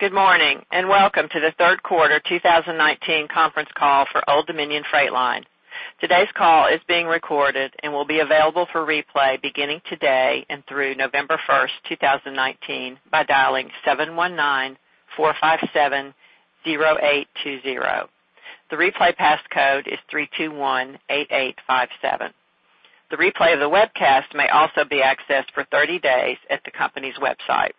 Good morning, welcome to the third quarter 2019 conference call for Old Dominion Freight Line. Today's call is being recorded and will be available for replay beginning today and through November 1st, 2019, by dialing 719-457-0820. The replay pass code is 3218857. The replay of the webcast may also be accessed for 30 days at the company's website.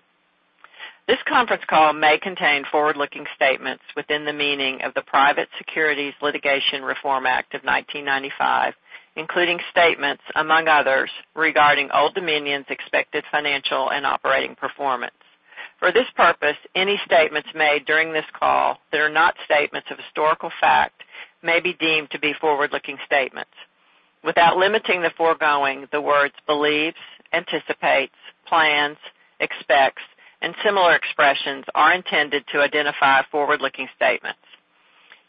This conference call may contain forward-looking statements within the meaning of the Private Securities Litigation Reform Act of 1995, including statements, among others, regarding Old Dominion's expected financial and operating performance. For this purpose, any statements made during this call that are not statements of historical fact may be deemed to be forward-looking statements. Without limiting the foregoing, the words believes, anticipates, plans, expects, and similar expressions are intended to identify forward-looking statements.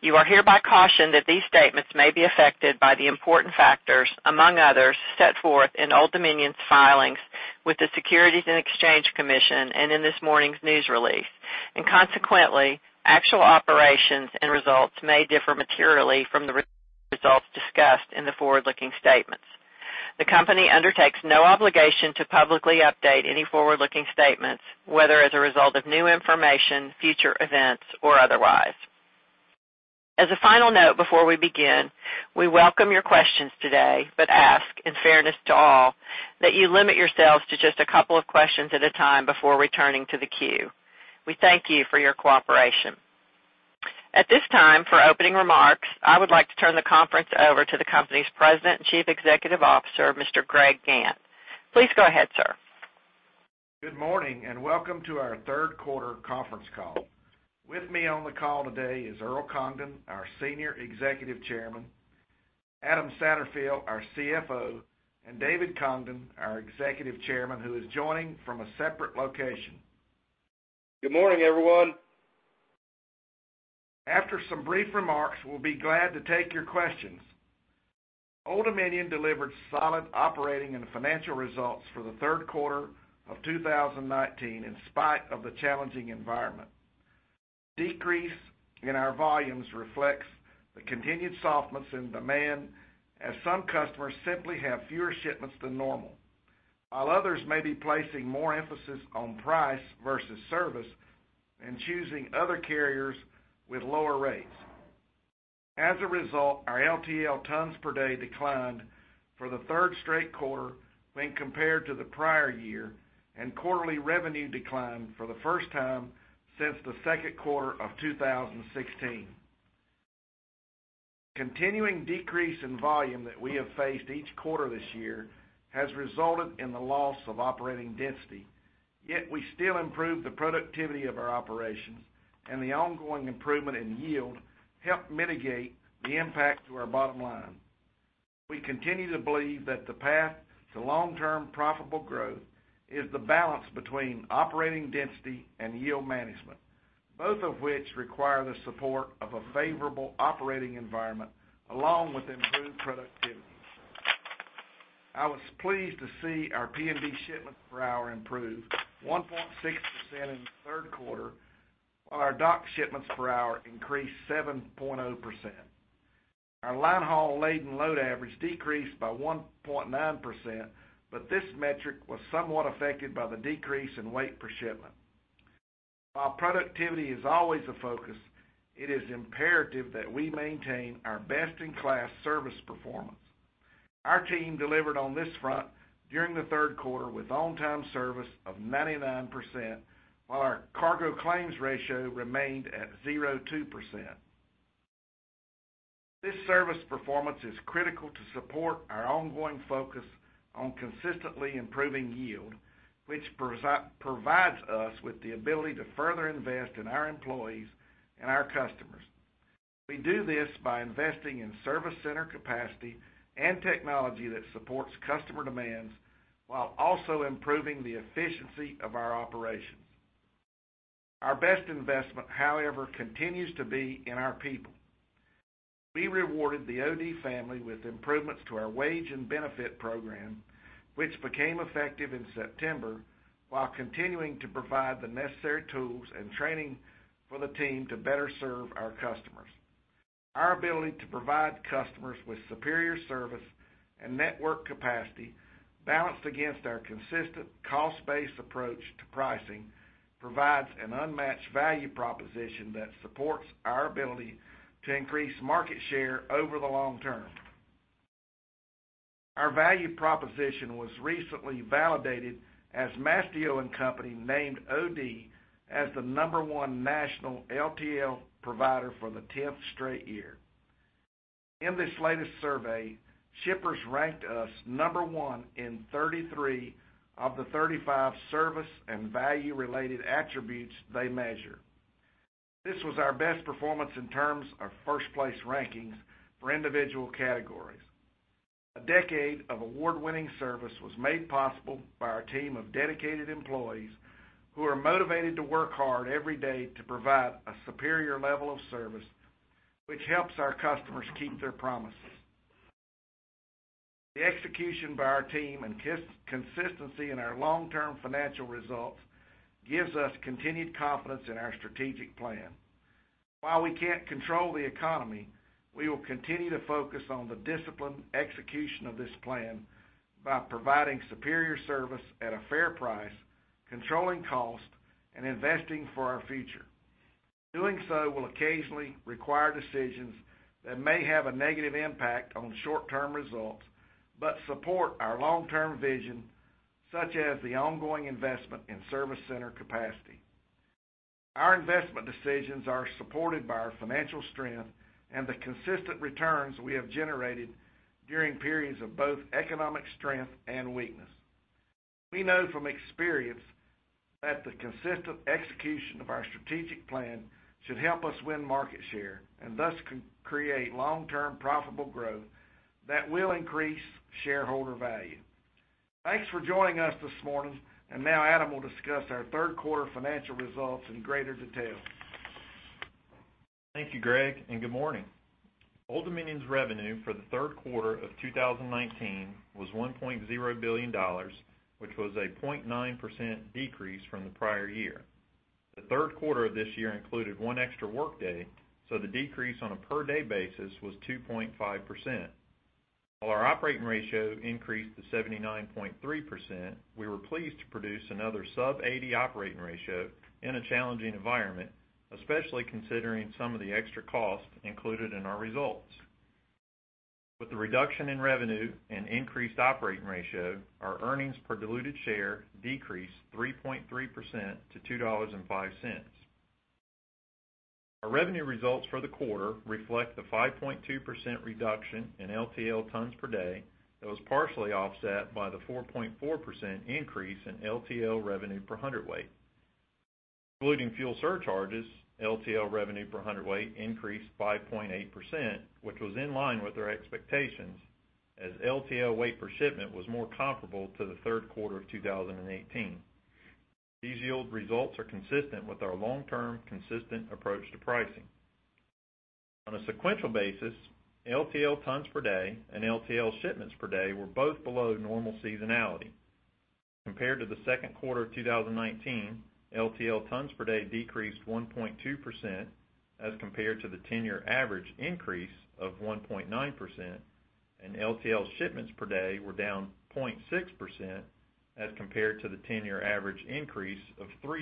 You are hereby cautioned that these statements may be affected by the important factors, among others, set forth in Old Dominion's filings with the Securities and Exchange Commission and in this morning's news release, and consequently, actual operations and results may differ materially from the results discussed in the forward-looking statements. The company undertakes no obligation to publicly update any forward-looking statements, whether as a result of new information, future events, or otherwise. As a final note, before we begin, we welcome your questions today, but ask, in fairness to all, that you limit yourselves to just a couple of questions at a time before returning to the queue. We thank you for your cooperation. At this time, for opening remarks, I would like to turn the conference over to the company's President and Chief Executive Officer, Mr. Greg Gantt. Please go ahead, sir. Good morning. Welcome to our third quarter conference call. With me on the call today is Earl Congdon, our Senior Executive Chairman, Adam Satterfield, our CFO, and David Congdon, our Executive Chairman, who is joining from a separate location. Good morning, everyone. After some brief remarks, we'll be glad to take your questions. Old Dominion delivered solid operating and financial results for the third quarter of 2019 in spite of the challenging environment. Decrease in our volumes reflects the continued softness in demand as some customers simply have fewer shipments than normal. Others may be placing more emphasis on price versus service and choosing other carriers with lower rates. Our LTL tons per day declined for the third straight quarter when compared to the prior year, and quarterly revenue declined for the first time since the second quarter of 2016. Continuing decrease in volume that we have faced each quarter this year has resulted in the loss of operating density, yet we still improved the productivity of our operations, and the ongoing improvement in yield helped mitigate the impact to our bottom line. We continue to believe that the path to long-term profitable growth is the balance between operating density and yield management, both of which require the support of a favorable operating environment along with improved productivity. I was pleased to see our P&D shipments per hour improve 1.6% in the third quarter, while our dock shipments per hour increased 7.0%. Our line haul laid and load average decreased by 1.9%, but this metric was somewhat affected by the decrease in weight per shipment. While productivity is always a focus, it is imperative that we maintain our best-in-class service performance. Our team delivered on this front during the third quarter with on-time service of 99%, while our cargo claims ratio remained at 0.02%. This service performance is critical to support our ongoing focus on consistently improving yield, which provides us with the ability to further invest in our employees and our customers. We do this by investing in service center capacity and technology that supports customer demands while also improving the efficiency of our operations. Our best investment, however, continues to be in our people. We rewarded the OD family with improvements to our wage and benefit program, which became effective in September, while continuing to provide the necessary tools and training for the team to better serve our customers. Our ability to provide customers with superior service and network capacity balanced against our consistent cost-based approach to pricing provides an unmatched value proposition that supports our ability to increase market share over the long term. Our value proposition was recently validated as Mastio and Company named OD as the number one national LTL provider for the 10th straight year. In this latest survey, shippers ranked us number one in 33 of the 35 service and value related attributes they measure. This was our best performance in terms of first-place rankings for individual categories. A decade of award-winning service was made possible by our team of dedicated employees who are motivated to work hard every day to provide a superior level of service, which helps our customers keep their promises. The execution by our team and consistency in our long-term financial results gives us continued confidence in our strategic plan. While we can't control the economy, we will continue to focus on the disciplined execution of this plan by providing superior service at a fair price, controlling cost, and investing for our future. Doing so will occasionally require decisions that may have a negative impact on short-term results but support our long-term vision, such as the ongoing investment in service center capacity. Our investment decisions are supported by our financial strength and the consistent returns we have generated during periods of both economic strength and weakness. We know from experience that the consistent execution of our strategic plan should help us win market share, and thus can create long-term profitable growth that will increase shareholder value. Thanks for joining us this morning, and now Adam will discuss our third quarter financial results in greater detail. Thank you, Greg, and good morning. Old Dominion's revenue for the third quarter of 2019 was $1.0 billion, which was a 0.9% decrease from the prior year. The third quarter of this year included one extra workday, so the decrease on a per-day basis was 2.5%. While our operating ratio increased to 79.3%, we were pleased to produce another sub-80 operating ratio in a challenging environment, especially considering some of the extra costs included in our results. With the reduction in revenue and increased operating ratio, our earnings per diluted share decreased 3.3% to $2.05. Our revenue results for the quarter reflect the 5.2% reduction in LTL tons per day that was partially offset by the 4.4% increase in LTL revenue per hundredweight. Excluding fuel surcharges, LTL revenue per hundredweight increased 5.8%, which was in line with our expectations as LTL weight per shipment was more comparable to the third quarter of 2018. These yield results are consistent with our long-term consistent approach to pricing. On a sequential basis, LTL tons per day and LTL shipments per day were both below normal seasonality. Compared to the second quarter of 2019, LTL tons per day decreased 1.2% as compared to the 10-year average increase of 1.9%, and LTL shipments per day were down 0.6% as compared to the 10-year average increase of 3%.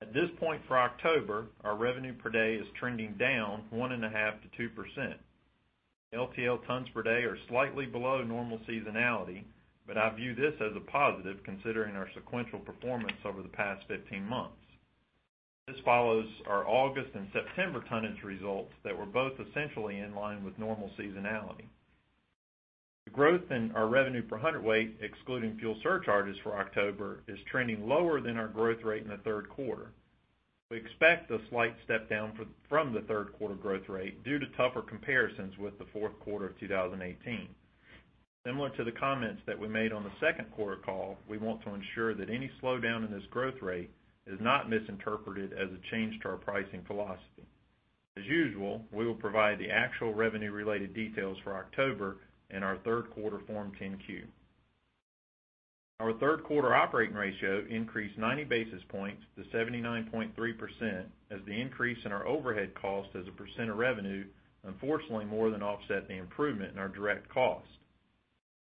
At this point for October, our revenue per day is trending down 1.5%-2%. LTL tons per day are slightly below normal seasonality, but I view this as a positive considering our sequential performance over the past 15 months. This follows our August and September tonnage results that were both essentially in line with normal seasonality. The growth in our revenue per hundredweight, excluding fuel surcharges for October, is trending lower than our growth rate in the third quarter. We expect a slight step down from the third quarter growth rate due to tougher comparisons with the fourth quarter of 2018. Similar to the comments that we made on the second quarter call, we want to ensure that any slowdown in this growth rate is not misinterpreted as a change to our pricing philosophy. As usual, we will provide the actual revenue-related details for October in our third quarter Form 10-Q. Our third quarter operating ratio increased 90 basis points to 79.3% as the increase in our overhead cost as a percent of revenue unfortunately more than offset the improvement in our direct cost.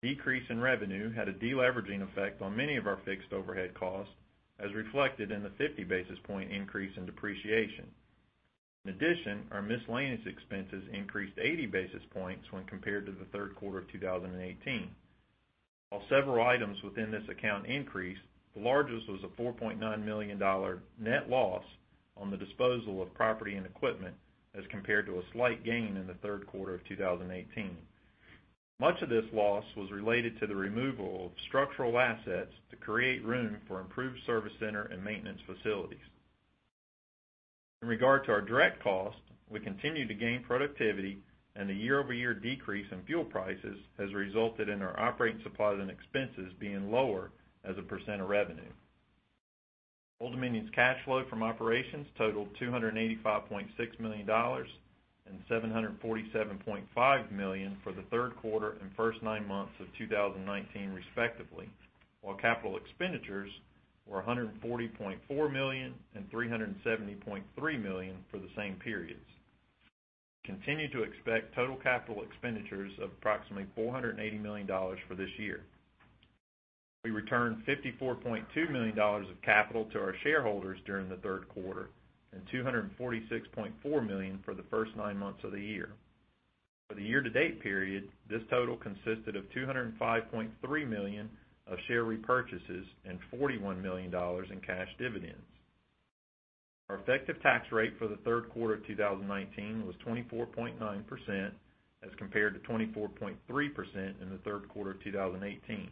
Decrease in revenue had a deleveraging effect on many of our fixed overhead costs, as reflected in the 50 basis point increase in depreciation. In addition, our miscellaneous expenses increased 80 basis points when compared to the third quarter of 2018. While several items within this account increased, the largest was a $4.9 million net loss on the disposal of property and equipment as compared to a slight gain in the third quarter of 2018. Much of this loss was related to the removal of structural assets to create room for improved service center and maintenance facilities. In regard to our direct costs, we continue to gain productivity, and the year-over-year decrease in fuel prices has resulted in our operating supplies and expenses being lower as a percent of revenue. Old Dominion's cash flow from operations totaled $285.6 million and $747.5 million for the third quarter and first nine months of 2019 respectively, while capital expenditures were $140.4 million and $370.3 million for the same periods. We continue to expect total capital expenditures of approximately $480 million for this year. We returned $54.2 million of capital to our shareholders during the third quarter and $246.4 million for the first nine months of the year. For the year-to-date period, this total consisted of $205.3 million of share repurchases and $41 million in cash dividends. Our effective tax rate for the third quarter of 2019 was 24.9% as compared to 24.3% in the third quarter of 2018.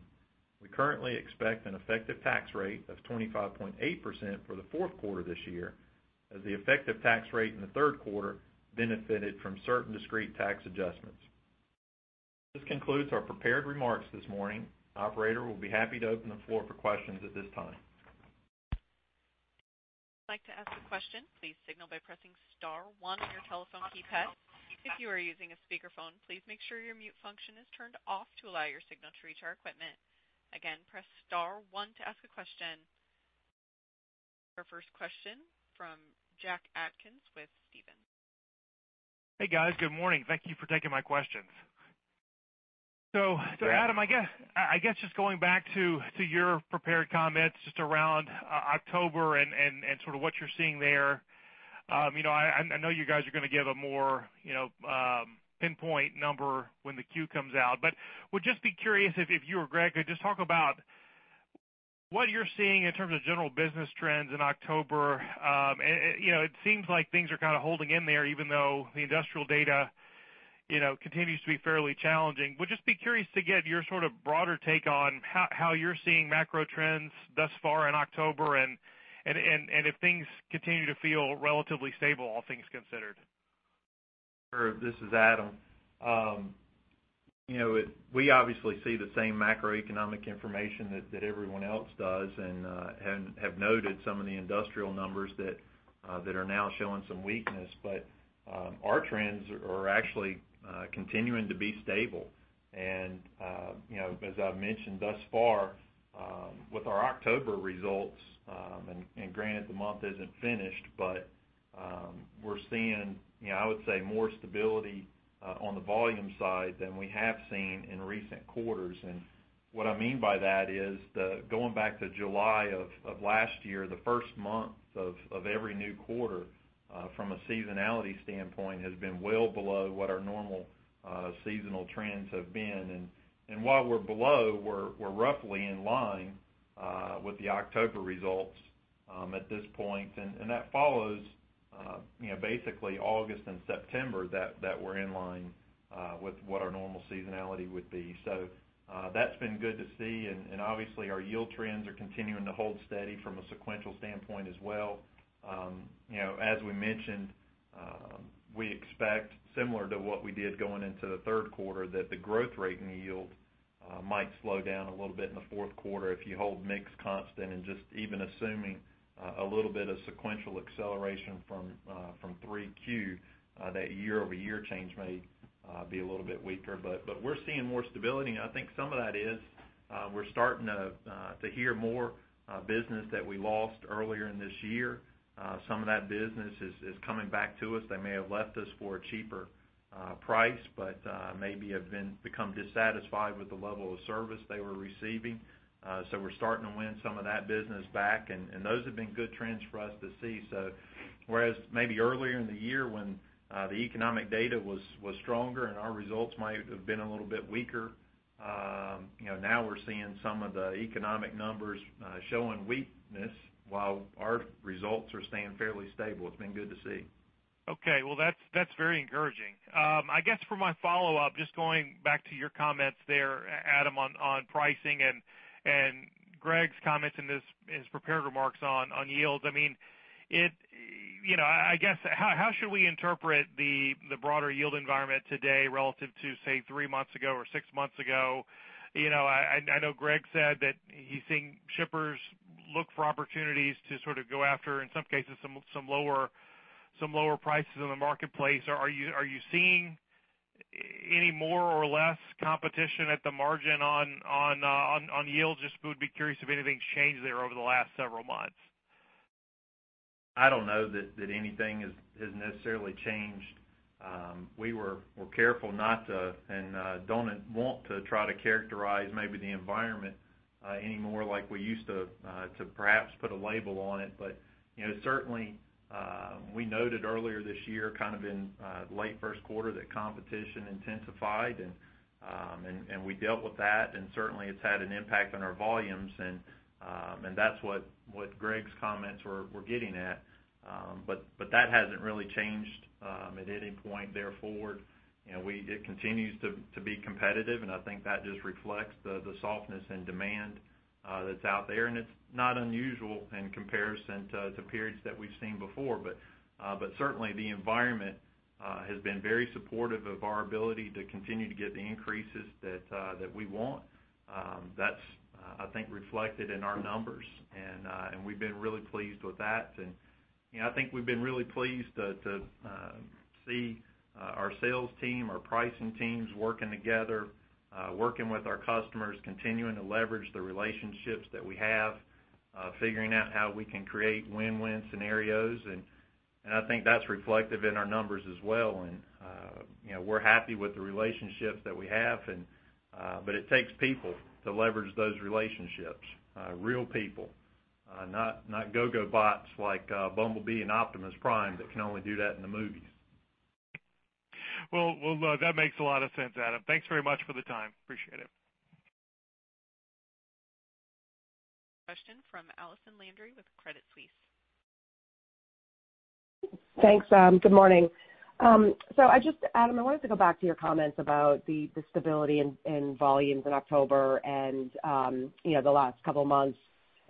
We currently expect an effective tax rate of 25.8% for the fourth quarter this year, as the effective tax rate in the third quarter benefited from certain discrete tax adjustments. This concludes our prepared remarks this morning. Operator, we will be happy to open the floor for questions at this time. To ask a question, please signal by pressing star one on your telephone keypad. If you are using a speakerphone, please make sure your mute function is turned off to allow your signal to reach our equipment. Again, press star one to ask a question. Our first question from Jack Atkins with Stephens. Hey, guys. Good morning. Thank you for taking my questions. Adam, I guess just going back to your prepared comments just around October and sort of what you're seeing there. I know you guys are going to give a more pinpoint number when the quarter comes out, but would just be curious if you or Greg could just talk about what you're seeing in terms of general business trends in October. It seems like things are kind of holding in there even though the industrial data continues to be fairly challenging. Would just be curious to get your sort of broader take on how you're seeing macro trends thus far in October, and if things continue to feel relatively stable, all things considered. Sure. This is Adam. We obviously see the same macroeconomic information that everyone else does and have noted some of the industrial numbers that are now showing some weakness. Our trends are actually continuing to be stable. As I've mentioned thus far, with our October results, and granted the month isn't finished, but we're seeing, I would say more stability on the volume side than we have seen in recent quarters. What I mean by that is going back to July of last year, the first month of every new quarter, from a seasonality standpoint, has been well below what our normal seasonal trends have been. While we're below, we're roughly in line with the October results at this point, and that follows basically August and September that were in line with what our normal seasonality would be. That's been good to see, and obviously our yield trends are continuing to hold steady from a sequential standpoint as well. As we mentioned, we expect similar to what we did going into the third quarter, that the growth rate in yield might slow down a little bit in the fourth quarter if you hold mix constant and just even assuming a little bit of sequential acceleration from 3Q, that year-over-year change may be a little bit weaker. We're seeing more stability, and I think some of that is we're starting to hear more business that we lost earlier in this year. Some of that business is coming back to us. They may have left us for a cheaper price, but maybe have become dissatisfied with the level of service they were receiving. We're starting to win some of that business back, and those have been good trends for us to see. Whereas maybe earlier in the year when the economic data was stronger and our results might have been a little bit weaker, now we're seeing some of the economic numbers showing weakness while our results are staying fairly stable. It's been good to see. Okay. Well, that's very encouraging. I guess for my follow-up, just going back to your comments there, Adam, on pricing and Greg's comments in his prepared remarks on yields. How should we interpret the broader yield environment today relative to, say, three months ago or six months ago? I know Greg said that he's seeing shippers look for opportunities to sort of go after, in some cases, some lower prices in the marketplace. Are you seeing any more or less competition at the margin on yields? Just would be curious if anything's changed there over the last several months. I don't know that anything has necessarily changed. We were careful not to and don't want to try to characterize maybe the environment any more like we used to perhaps put a label on it. Certainly, we noted earlier this year, kind of in late first quarter, that competition intensified, and we dealt with that, and certainly it's had an impact on our volumes. That's what Greg's comments were getting at. That hasn't really changed at any point there forward. It continues to be competitive, and I think that just reflects the softness and demand that's out there. It's not unusual in comparison to periods that we've seen before. Certainly the environment has been very supportive of our ability to continue to get the increases that we want. That's, I think, reflected in our numbers, and we've been really pleased with that. I think we've been really pleased to see our sales team, our pricing teams working together, working with our customers, continuing to leverage the relationships that we have, figuring out how we can create win-win scenarios, and I think that's reflective in our numbers as well. We're happy with the relationships that we have, but it takes people to leverage those relationships. Real people, not GoBots like Bumblebee and Optimus Prime that can only do that in the movies. Well, that makes a lot of sense, Adam. Thanks very much for the time. Appreciate it. Question from Allison Landry with Credit Suisse. Thanks. Good morning. Adam, I wanted to go back to your comments about the stability in volumes in October and the last couple of months.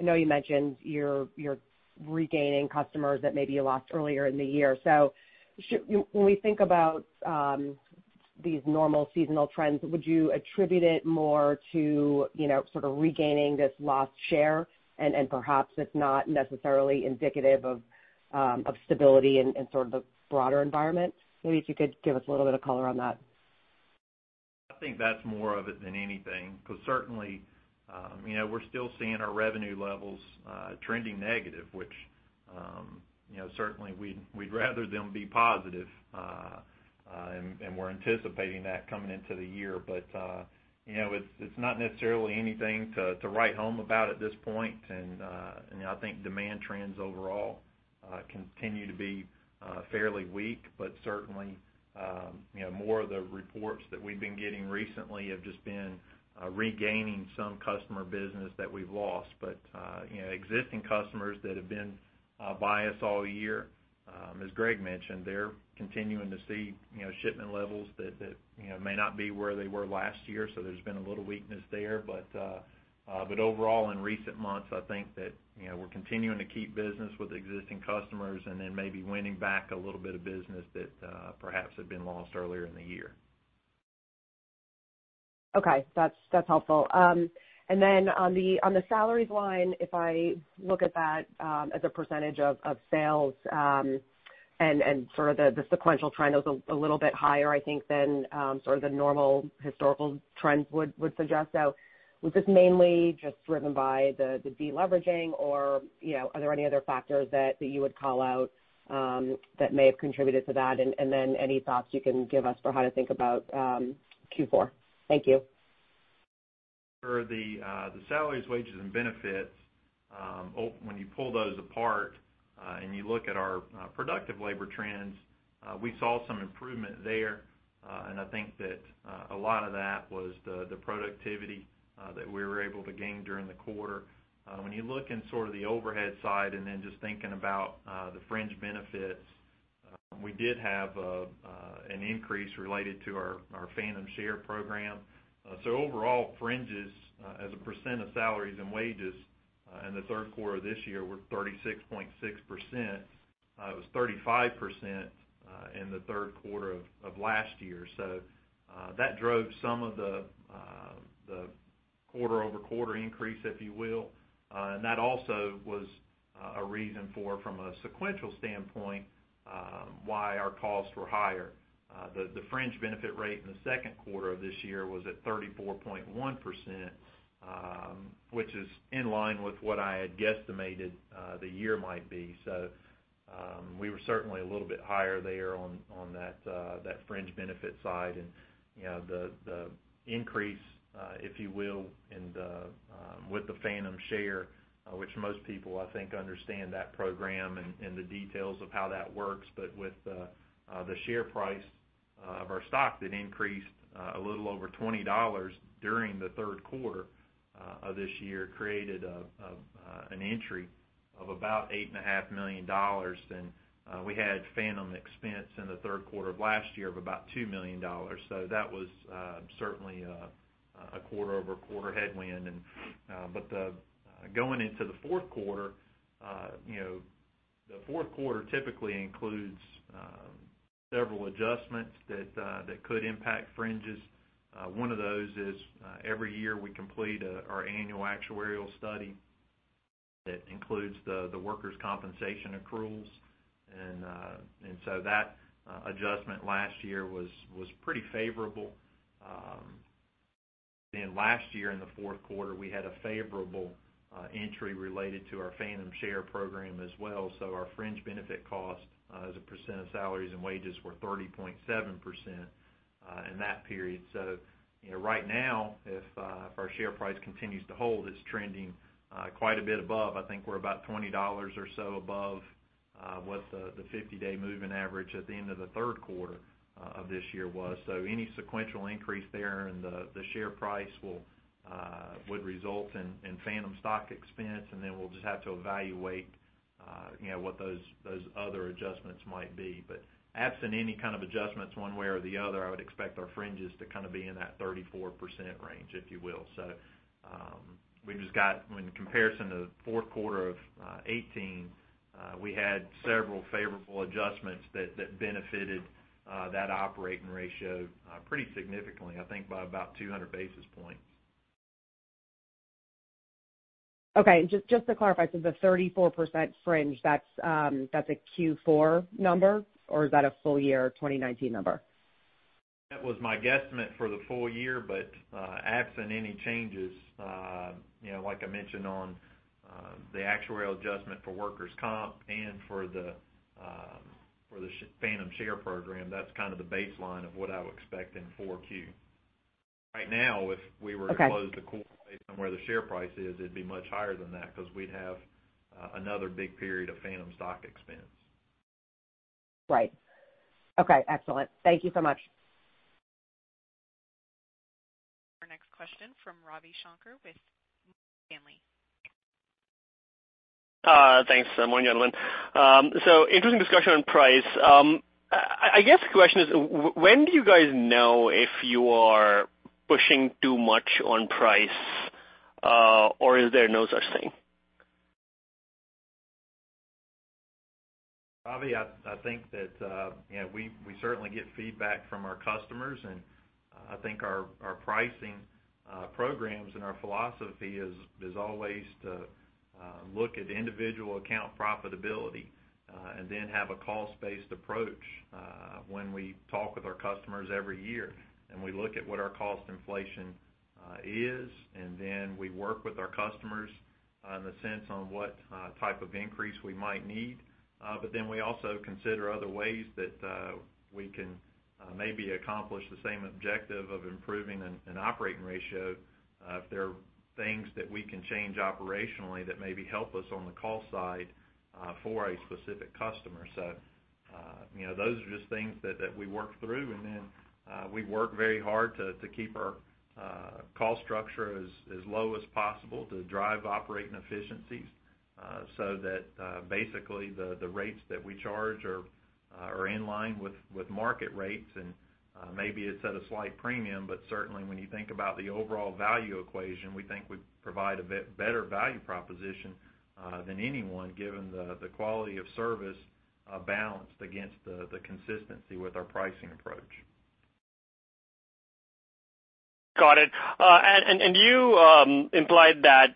I know you mentioned you're regaining customers that maybe you lost earlier in the year. When we think about these normal seasonal trends, would you attribute it more to sort of regaining this lost share, and perhaps it's not necessarily indicative of stability in sort of the broader environment? Maybe if you could give us a little bit of color on that. I think that's more of it than anything, because certainly we're still seeing our revenue levels trending negative, which certainly we'd rather them be positive, and we're anticipating that coming into the year. It's not necessarily anything to write home about at this point. I think demand trends overall continue to be fairly weak. Certainly more of the reports that we've been getting recently have just been regaining some customer business that we've lost. Existing customers that have been by us all year, as Greg mentioned, they're continuing to see shipment levels that may not be where they were last year, so there's been a little weakness there. Overall, in recent months, I think that we're continuing to keep business with existing customers and then maybe winning back a little bit of business that perhaps had been lost earlier in the year. Okay. That's helpful. On the salaries line, if I look at that as a percentage of sales and sort of the sequential trend was a little bit higher, I think, than sort of the normal historical trends would suggest. Was this mainly just driven by the de-leveraging, or are there any other factors that you would call out that may have contributed to that? Any thoughts you can give us for how to think about Q4? Thank you. For the salaries, wages, and benefits, when you pull those apart and you look at our productive labor trends, we saw some improvement there. I think that a lot of that was the productivity that we were able to gain during the quarter. When you look in sort of the overhead side and then just thinking about the fringe benefits, we did have an increase related to our phantom share program. Overall, fringes as a percent of salaries and wages in the third quarter of this year were 36.6%. It was 35% in the third quarter of last year. That drove some of the quarter-over-quarter increase, if you will. That also was a reason for, from a sequential standpoint, why our costs were higher. The fringe benefit rate in the second quarter of this year was at 34.1%, which is in line with what I had guesstimated the year might be. We were certainly a little bit higher there on that fringe benefit side. The increase, if you will, with the phantom share, which most people I think understand that program and the details of how that works, but with the share price of our stock that increased a little over $20 during the third quarter of this year created an entry of about $8.5 million. We had phantom expense in the third quarter of last year of about $2 million. That was certainly a quarter-over-quarter headwind. Going into the fourth quarter, the fourth quarter typically includes several adjustments that could impact fringes. One of those is every year we complete our annual actuarial study that includes the workers' compensation accruals, that adjustment last year was pretty favorable. Last year in the fourth quarter, we had a favorable entry related to our phantom share program as well. Our fringe benefit cost as a percent of salaries and wages were 30.7% in that period. Right now, if our share price continues to hold, it's trending quite a bit above. I think we're about $20 or so above what the 50-day moving average at the end of the third quarter of this year was. Any sequential increase there in the share price would result in phantom stock expense, then we'll just have to evaluate what those other adjustments might be. Absent any kind of adjustments one way or the other, I would expect our fringes to kind of be in that 34% range, if you will. We just got in comparison to the fourth quarter of 2018, we had several favorable adjustments that benefited that operating ratio pretty significantly, I think by about 200 basis points. Okay. Just to clarify, so the 34% fringe, that's a Q4 number, or is that a full year 2019 number? That was my guesstimate for the full year. Absent any changes like I mentioned on the actuarial adjustment for workers comp and for the phantom share program, that's kind of the baseline of what I would expect in 4Q. Right now, if we were to close the quarter based on where the share price is, it'd be much higher than that because we'd have another big period of phantom stock expense. Right. Okay. Excellent. Thank you so much. Our next question from Ravi Shanker with Morgan Stanley. Thanks. Good morning, everyone. Interesting discussion on price. I guess the question is, when do you guys know if you are pushing too much on price, or is there no such thing? Ravi, I think that we certainly get feedback from our customers, I think our pricing programs and our philosophy is always to look at individual account profitability, then have a cost-based approach when we talk with our customers every year. We look at what our cost inflation is, then we work with our customers in the sense on what type of increase we might need. We also consider other ways that we can maybe accomplish the same objective of improving an operating ratio, if there are things that we can change operationally that maybe help us on the cost side for a specific customer. Those are just things that we work through, and then we work very hard to keep our cost structure as low as possible to drive operating efficiencies, so that basically the rates that we charge are in line with market rates. Maybe it's at a slight premium, but certainly when you think about the overall value equation, we think we provide a better value proposition than anyone, given the quality of service balanced against the consistency with our pricing approach. Got it. You implied that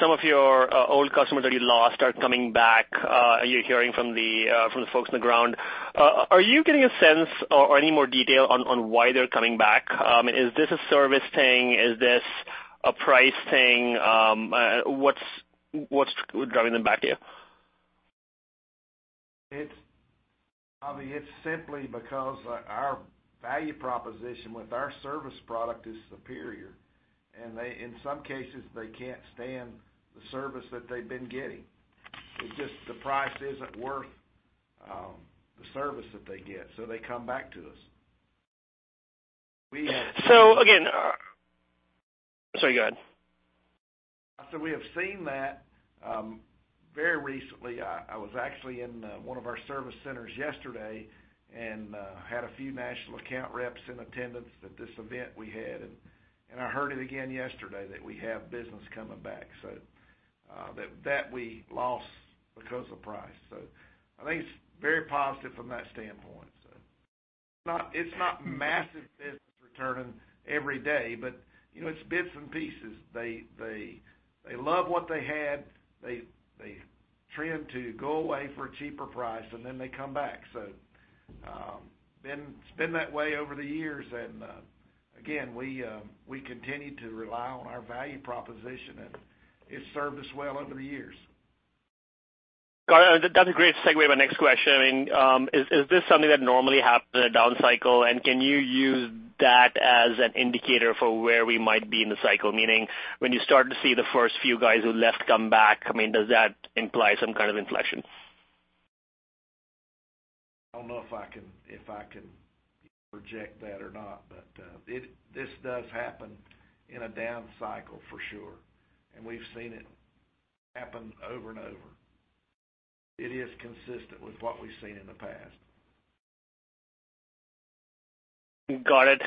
some of your old customers that you lost are coming back. Are you hearing from the folks on the ground? Are you getting a sense or any more detail on why they're coming back? Is this a service thing? Is this a price thing? What's driving them back to you? Ravi, it's simply because our value proposition with our service product is superior. They, in some cases, they can't stand the service that they've been getting. It's just the price isn't worth the service that they get, so they come back to us. Sorry, go ahead. We have seen that very recently. I was actually in one of our service centers yesterday and had a few national account reps in attendance at this event we had, and I heard it again yesterday that we have business coming back that we lost because of price. I think it's very positive from that standpoint. It's not massive business returning every day, but it's bits and pieces. They love what they had. They trend to go away for a cheaper price, and then they come back. It's been that way over the years, and again, we continue to rely on our value proposition, and it's served us well over the years. Got it. That's a great segue to my next question. Is this something that normally happens in a down cycle? Can you use that as an indicator for where we might be in the cycle? Meaning, when you start to see the first few guys who left come back, does that imply some kind of inflection? I don't know if I can project that or not, but this does happen in a down cycle for sure, and we've seen it happen over and over. It is consistent with what we've seen in the past. Got it.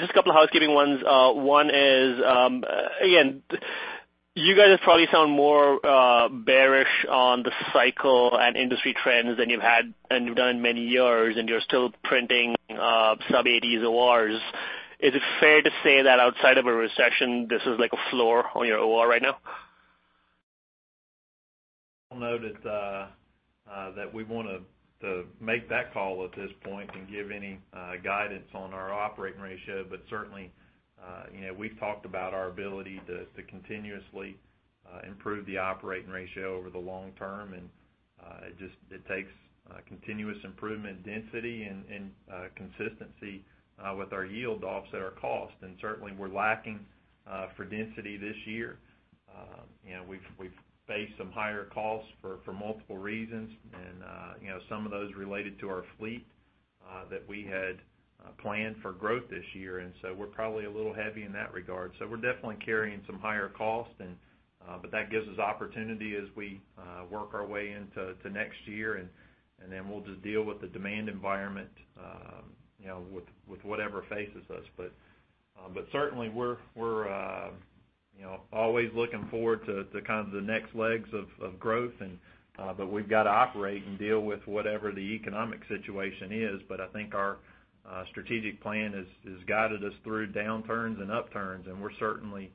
Just a couple of housekeeping ones. One is, again, you guys have probably sound more bearish on the cycle and industry trends than you've done in many years, and you're still printing sub-80s ORs. Is it fair to say that outside of a recession, this is like a floor on your OR right now? I'll note that we want to make that call at this point and give any guidance on our operating ratio. Certainly, we've talked about our ability to continuously improve the operating ratio over the long term, and it takes continuous improvement in density and consistency with our yield to offset our cost. Certainly, we're lacking for density this year. We've faced some higher costs for multiple reasons. Some of those related to our fleet that we had planned for growth this year. We're probably a little heavy in that regard. We're definitely carrying some higher costs, but that gives us opportunity as we work our way into next year, and then we'll just deal with the demand environment with whatever faces us. Certainly, we're always looking forward to the next legs of growth. We've got to operate and deal with whatever the economic situation is. I think our strategic plan has guided us through downturns and upturns, and we're certainly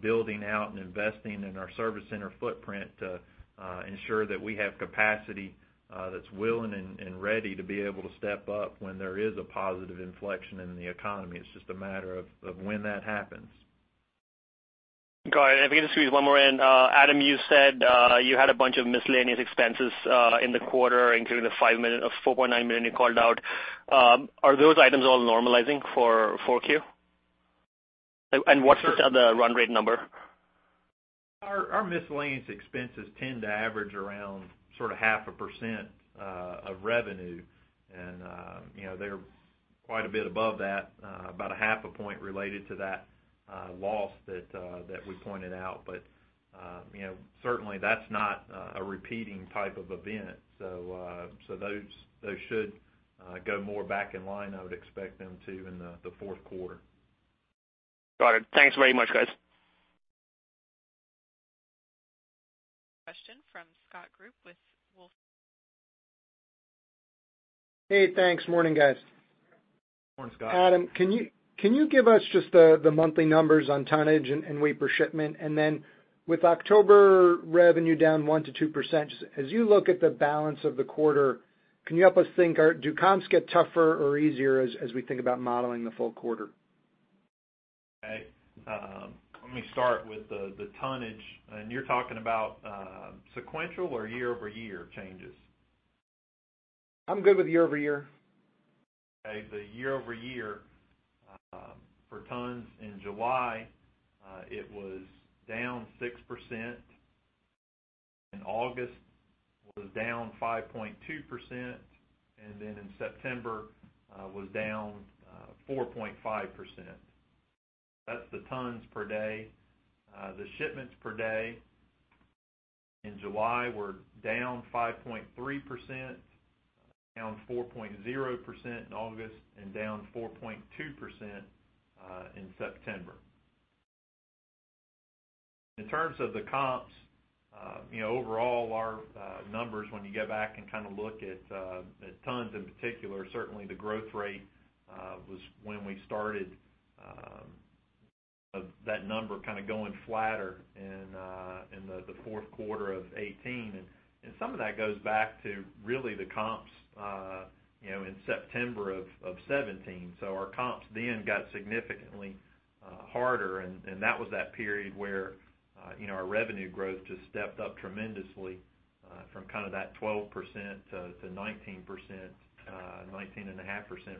building out and investing in our service center footprint to ensure that we have capacity that's willing and ready to be able to step up when there is a positive inflection in the economy. It's just a matter of when that happens. Got it. If we can just squeeze one more in. Adam, you said you had a bunch of miscellaneous expenses in the quarter, including the $4.9 million you called out. Are those items all normalizing for 4Q? What's the run rate number? Our miscellaneous expenses tend to average around sort of half a % of revenue. They're quite a bit above that, about a half a point related to that loss that we pointed out. Certainly, that's not a repeating type of event. Those should go more back in line, I would expect them to, in the fourth quarter. Got it. Thanks very much, guys. Question from Scott Group with Wolfe Research. Hey, thanks. Morning, guys. Morning, Scott. Adam, can you give us just the monthly numbers on tonnage and weight per shipment? With October revenue down 1%-2%, as you look at the balance of the quarter, can you help us think, do comps get tougher or easier as we think about modeling the full quarter? Okay. Let me start with the tonnage. You're talking about sequential or year-over-year changes? I'm good with year-over-year. Okay. The year-over-year for tons in July, it was down 6%. In August, it was down 5.2%, then in September, it was down 4.5%. That's the tons per day. The shipments per day in July were down 5.3%, down 4.0% in August, down 4.2% in September. In terms of the comps, overall our numbers, when you go back and look at tons in particular, certainly the growth rate was when we started that number going flatter in the fourth quarter of 2018. Some of that goes back to really the comps in September of 2017. Our comps then got significantly harder, and that was that period where our revenue growth just stepped up tremendously from that 12%-19.5%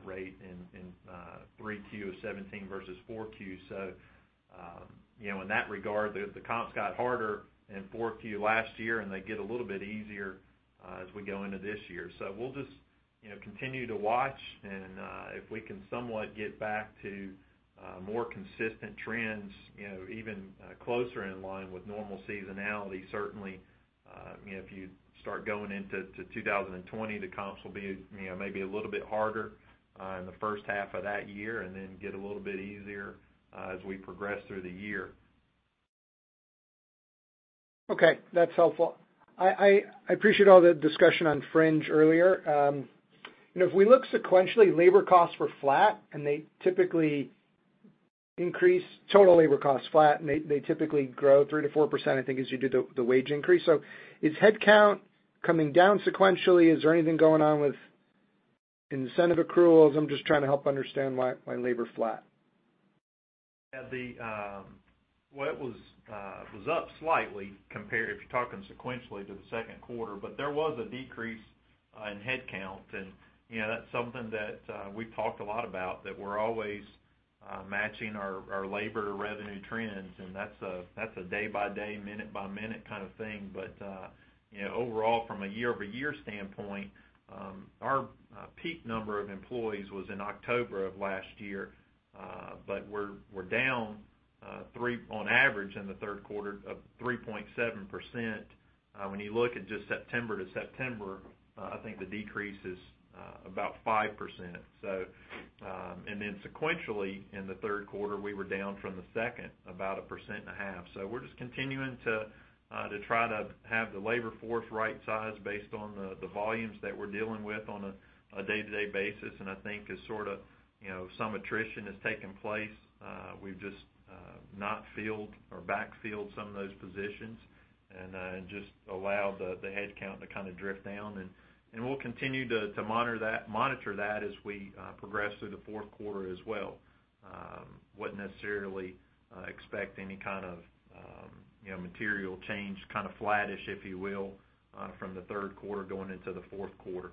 rate in Q3 of 2017 versus Q4. In that regard, the comps got harder in Q4 last year, and they get a little bit easier as we go into this year. We'll just continue to watch, and if we can somewhat get back to more consistent trends, even closer in line with normal seasonality, certainly, if you start going into 2020, the comps will be maybe a little bit harder in the first half of that year and then get a little bit easier as we progress through the year. Okay. That's helpful. I appreciate all the discussion on fringe earlier. If we look sequentially, labor costs were flat, and they typically grow 3%-4%, I think, as you do the wage increase. Is headcount coming down sequentially? Is there anything going on with incentive accruals? I'm just trying to help understand why labor is flat. Well, it was up slightly compared if you're talking sequentially to the second quarter, but there was a decrease in headcount. That's something that we've talked a lot about, that we're always matching our labor revenue trends, and that's a day-by-day, minute-by-minute kind of thing. Overall, from a year-over-year standpoint, our peak number of employees was in October of last year. We're down on average in the third quarter of 3.7%. When you look at just September to September, I think the decrease is about 5%. Sequentially in the third quarter, we were down from the second about 1.5%. We're just continuing to try to have the labor force right-sized based on the volumes that we're dealing with on a day-to-day basis. I think as some attrition has taken place, we've just not filled or backfilled some of those positions and just allowed the headcount to kind of drift down. We'll continue to monitor that as we progress through the fourth quarter as well. Wouldn't necessarily expect any kind of material change, kind of flattish, if you will, from the third quarter going into the fourth quarter.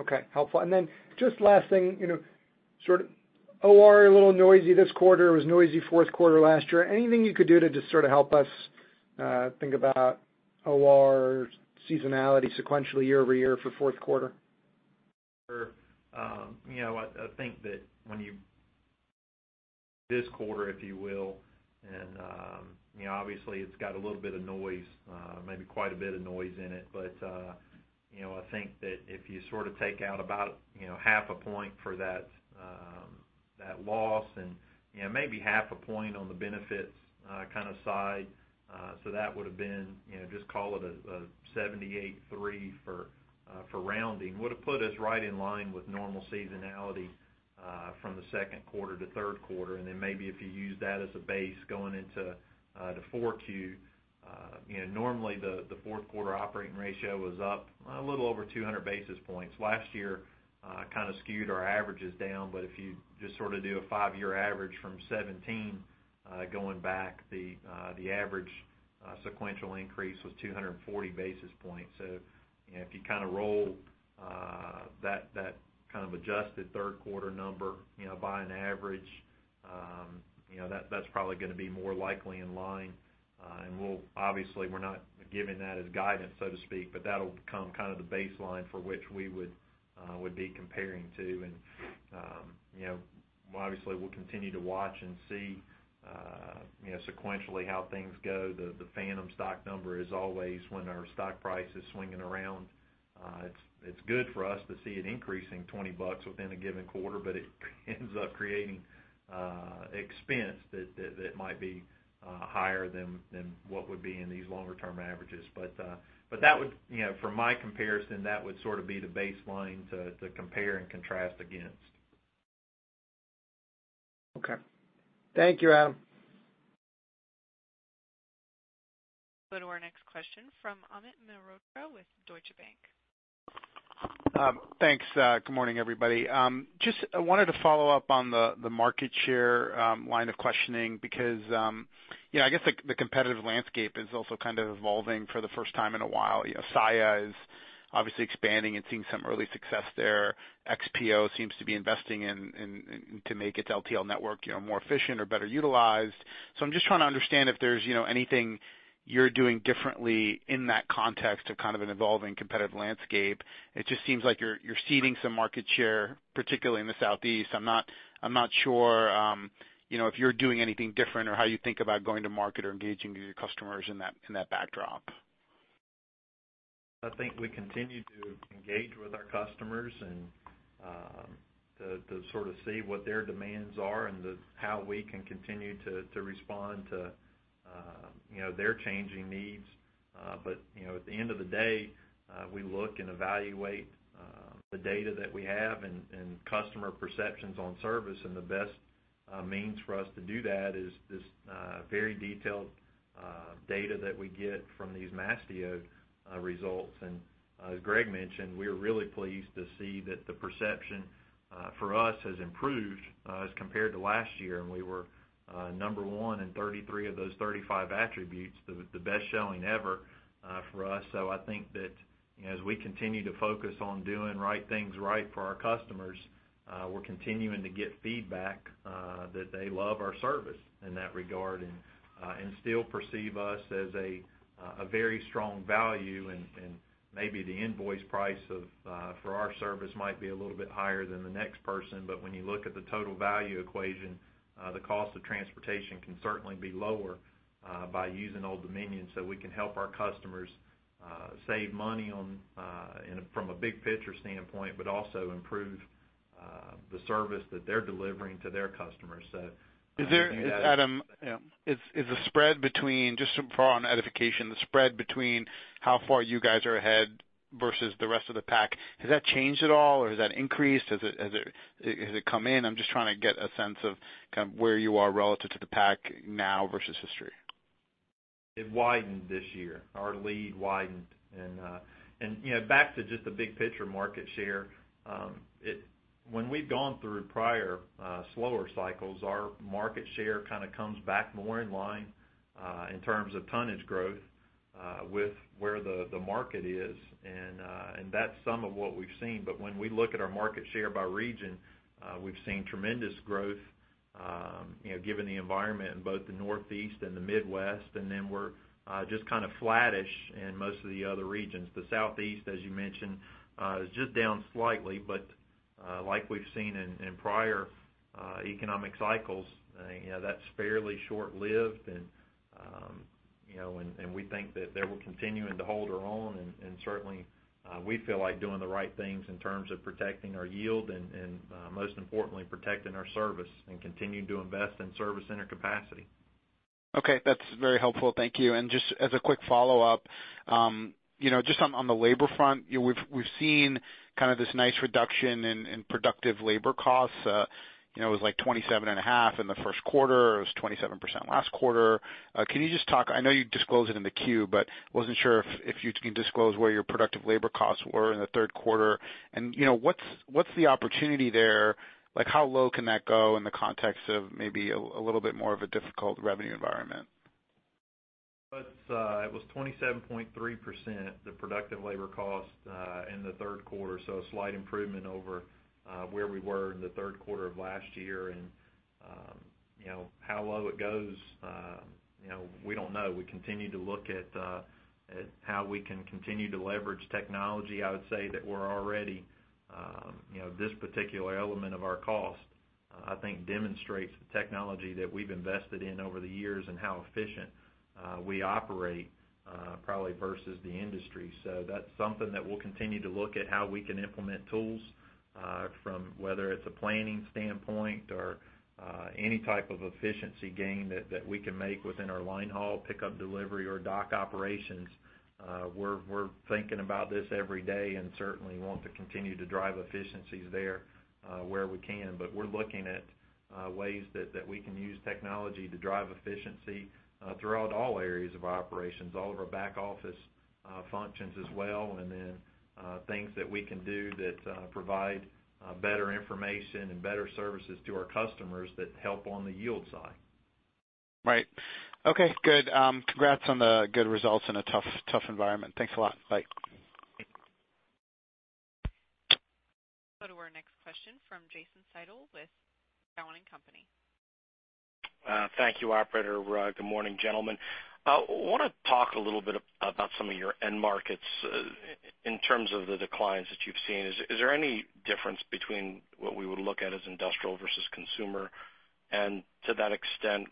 Okay. Helpful. Just last thing, OR a little noisy this quarter. It was noisy fourth quarter last year. Anything you could do to just sort of help us think about OR seasonality sequentially year-over-year for fourth quarter? Sure. I think that when this quarter, if you will, obviously it's got a little bit of noise, maybe quite a bit of noise in it. I think that if you sort of take out about half a point for that loss, maybe half a point on the benefits side. That would have been, just call it a 78.3 for rounding. Would have put us right in line with normal seasonality from the second quarter to third quarter, then maybe if you use that as a base going into the Q4. Normally, the fourth quarter operating ratio was up a little over 200 basis points. Last year kind of skewed our averages down, if you just sort of do a five-year average from 2017 going back, the average sequential increase was 240 basis points. If you roll that kind of adjusted third quarter number by an average, that's probably going to be more likely in line. Obviously, we're not giving that as guidance, so to speak, but that'll become kind of the baseline for which we would be comparing to. Obviously, we'll continue to watch and see sequentially how things go. The phantom stock number is always when our stock price is swinging around. It's good for us to see it increasing $20 within a given quarter, but it ends up creating expense that might be higher than what would be in these longer-term averages. For my comparison, that would sort of be the baseline to compare and contrast against. Okay. Thank you, Adam. Go to our next question from Amit Mehrotra with Deutsche Bank. Thanks. Good morning, everybody. Just wanted to follow up on the market share line of questioning because I guess the competitive landscape is also kind of evolving for the first time in a while. Saia is obviously expanding and seeing some early success there. XPO seems to be investing in to make its LTL network more efficient or better utilized. I'm just trying to understand if there's anything you're doing differently in that context of kind of an evolving competitive landscape. It just seems like you're ceding some market share, particularly in the Southeast. I'm not sure if you're doing anything different or how you think about going to market or engaging your customers in that backdrop. I think we continue to engage with our customers and to sort of see what their demands are and how we can continue to respond to their changing needs. At the end of the day, we look and evaluate the data that we have and customer perceptions on service, and the best means for us to do that is this very detailed data that we get from these Mastio results. As Greg mentioned, we are really pleased to see that the perception for us has improved as compared to last year, and we were number one in 33 of those 35 attributes, the best showing ever for us. I think that as we continue to focus on doing right things right for our customers, we're continuing to get feedback that they love our service in that regard and still perceive us as a very strong value and maybe the invoice price for our service might be a little bit higher than the next person. When you look at the total value equation, the cost of transportation can certainly be lower by using Old Dominion. We can help our customers save money from a big picture standpoint, but also improve the service that they're delivering to their customers. Adam, is the spread between, just for our own edification, the spread between how far you guys are ahead versus the rest of the pack, has that changed at all, or has that increased? Has it come in? I'm just trying to get a sense of where you are relative to the pack now versus history. It widened this year. Our lead widened. Back to just the big picture market share, when we've gone through prior slower cycles, our market share kind of comes back more in line, in terms of tonnage growth, with where the market is. That's some of what we've seen. When we look at our market share by region, we've seen tremendous growth given the environment in both the Northeast and the Midwest, and then we're just kind of flattish in most of the other regions. The Southeast, as you mentioned, is just down slightly, but like we've seen in prior economic cycles, that's fairly short-lived, and we think that they will continue to hold their own. Certainly, we feel like doing the right things in terms of protecting our yield and most importantly, protecting our service and continuing to invest in service center capacity. Okay, that's very helpful. Thank you. Just as a quick follow-up, just on the labor front, we've seen this nice reduction in productive labor costs. It was like 27.5% in the first quarter. It was 27% last quarter. Can you just talk, I know you disclosed it in the Q, but wasn't sure if you can disclose where your productive labor costs were in the third quarter and what's the opportunity there? How low can that go in the context of maybe a little bit more of a difficult revenue environment? It was 27.3%, the productive labor cost in the third quarter, so a slight improvement over where we were in the third quarter of last year. How low it goes, we don't know. We continue to look at how we can continue to leverage technology. I would say that we're already this particular element of our cost, I think, demonstrates the technology that we've invested in over the years and how efficient we operate, probably versus the industry. That's something that we'll continue to look at how we can implement tools, from whether it's a planning standpoint or any type of efficiency gain that we can make within our line haul pickup delivery or dock operations. We're thinking about this every day and certainly want to continue to drive efficiencies there where we can. We're looking at ways that we can use technology to drive efficiency throughout all areas of our operations, all of our back office functions as well, and then things that we can do that provide better information and better services to our customers that help on the yield side. Right. Okay, good. Congrats on the good results in a tough environment. Thanks a lot. Bye. Go to our next question from Jason Seidl with Cowen & Company. Thank you, operator. Good morning, gentlemen. I want to talk a little bit about some of your end markets in terms of the declines that you've seen. Is there any difference between what we would look at as industrial versus consumer? To that extent,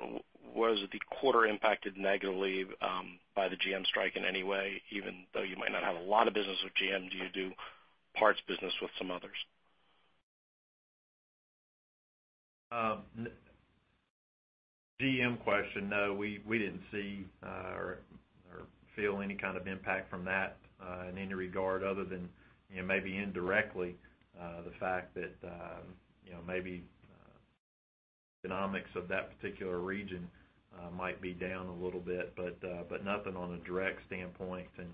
was the quarter impacted negatively by the GM strike in any way? Even though you might not have a lot of business with GM, do you do parts business with some others? GM question. No, we didn't see or feel any kind of impact from that in any regard other than maybe indirectly, the fact that maybe the economics of that particular region might be down a little bit, but nothing on a direct standpoint. Okay.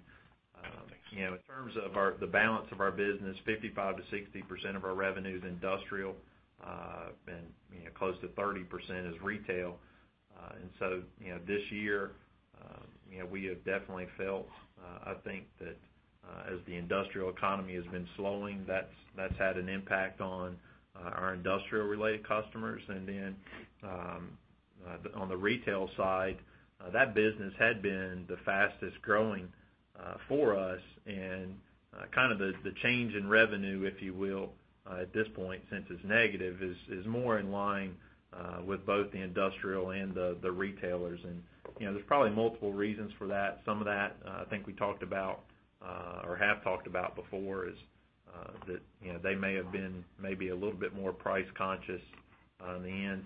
In terms of the balance of our business, 55%-60% of our revenue is industrial, close to 30% is retail. This year, we have definitely felt, I think that as the industrial economy has been slowing, that's had an impact on our industrial-related customers. On the retail side, that business had been the fastest-growing for us. Kind of the change in revenue, if you will, at this point, since it's negative, is more in line with both the industrial and the retailers. There's probably multiple reasons for that. Some of that, I think we talked about, or have talked about before, is that they may have been maybe a little bit more price conscious on the end.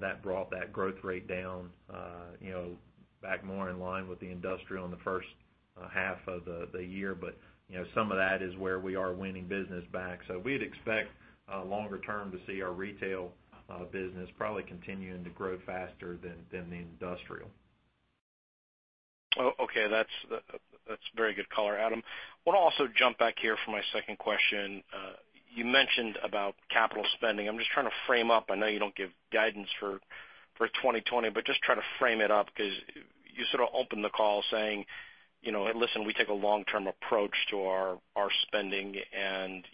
That brought that growth rate down back more in line with the industrial in the first half of the year. Some of that is where we are winning business back. We'd expect longer term to see our retail business probably continuing to grow faster than the industrial. Okay. That's very good color, Adam. I want to also jump back here for my second question. You mentioned about capital spending. I'm just trying to frame up. I know you don't give guidance for 2020, just try to frame it up because you sort of opened the call saying, "Listen, we take a long-term approach to our spending and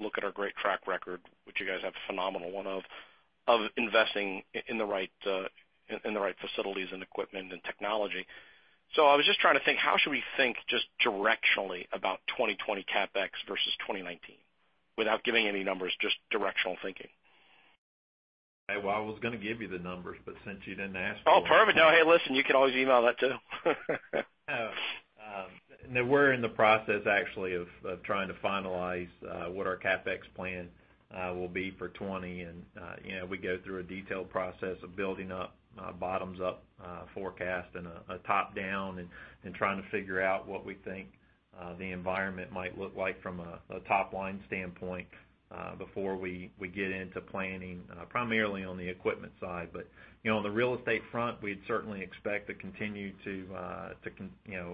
look at our great track record," which you guys have a phenomenal one of investing in the right facilities and equipment and technology. I was just trying to think, how should we think just directionally about 2020 CapEx versus 2019? Without giving any numbers, just directional thinking. Well, I was going to give you the numbers, but since you didn't ask for them. Oh, perfect. Hey, listen, you can always email that too. We're in the process, actually, of trying to finalize what our CapEx plan will be for 2020. We go through a detailed process of building up a bottoms-up forecast and a top-down, and trying to figure out what we think the environment might look like from a top-line standpoint before we get into planning, primarily on the equipment side. On the real estate front, we'd certainly expect to continue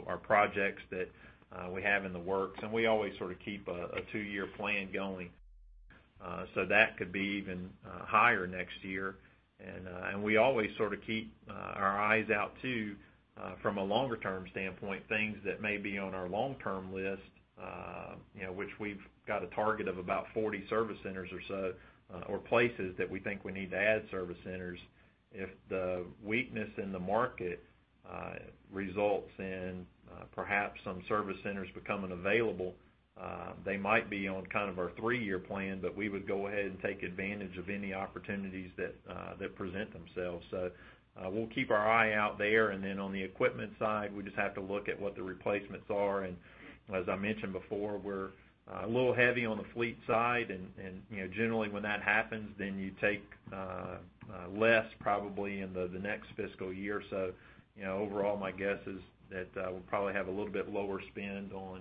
our projects that we have in the works. We always sort of keep a two-year plan going. That could be even higher next year. We always sort of keep our eyes out too, from a longer term standpoint, things that may be on our long-term list, which we've got a target of about 40 service centers or so, or places that we think we need to add service centers. If the weakness in the market results in perhaps some service centers becoming available, they might be on kind of our three-year plan, but we would go ahead and take advantage of any opportunities that present themselves. We'll keep our eye out there, and then on the equipment side, we just have to look at what the replacements are. As I mentioned before, we're a little heavy on the fleet side, and generally, when that happens, then you take less probably in the next fiscal year. Overall, my guess is that we'll probably have a little bit lower spend on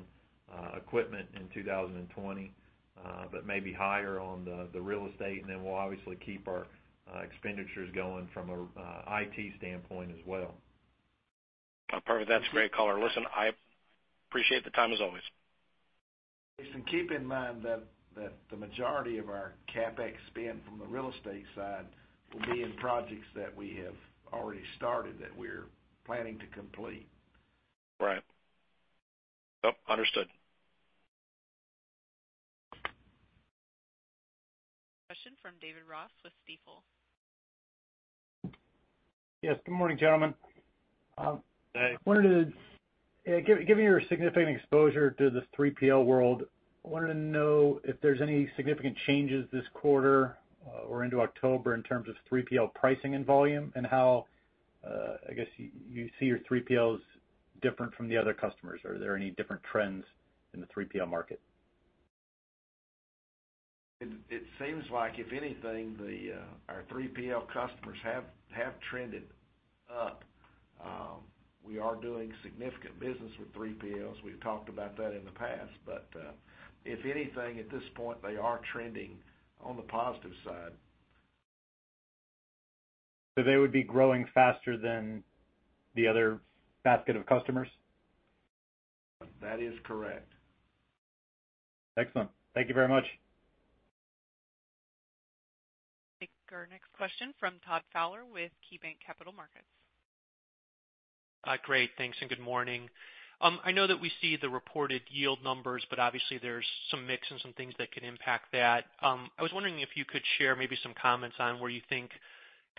equipment in 2020, but maybe higher on the real estate. Then we'll obviously keep our expenditures going from an IT standpoint as well. Perfect. That's a great color. Listen, I appreciate the time as always. Jason, keep in mind that the majority of our CapEx spend from the real estate side will be in projects that we have already started that we're planning to complete. Right. Yep. Understood. Question from David Ross with Stifel. Yes, good morning, gentlemen. Hey. Given your significant exposure to the 3PL world, I wanted to know if there's any significant changes this quarter or into October in terms of 3PL pricing and volume, and how, I guess, you see your 3PLs different from the other customers. Are there any different trends in the 3PL market? It seems like if anything, our 3PL customers have trended up. We are doing significant business with 3PLs. We've talked about that in the past, but if anything, at this point, they are trending on the positive side. They would be growing faster than the other basket of customers? That is correct. Excellent. Thank you very much. Take our next question from Todd Fowler with KeyBanc Capital Markets. Great. Thanks, and good morning. I know that we see the reported yield numbers, but obviously, there's some mix and some things that can impact that. I was wondering if you could share maybe some comments on where you think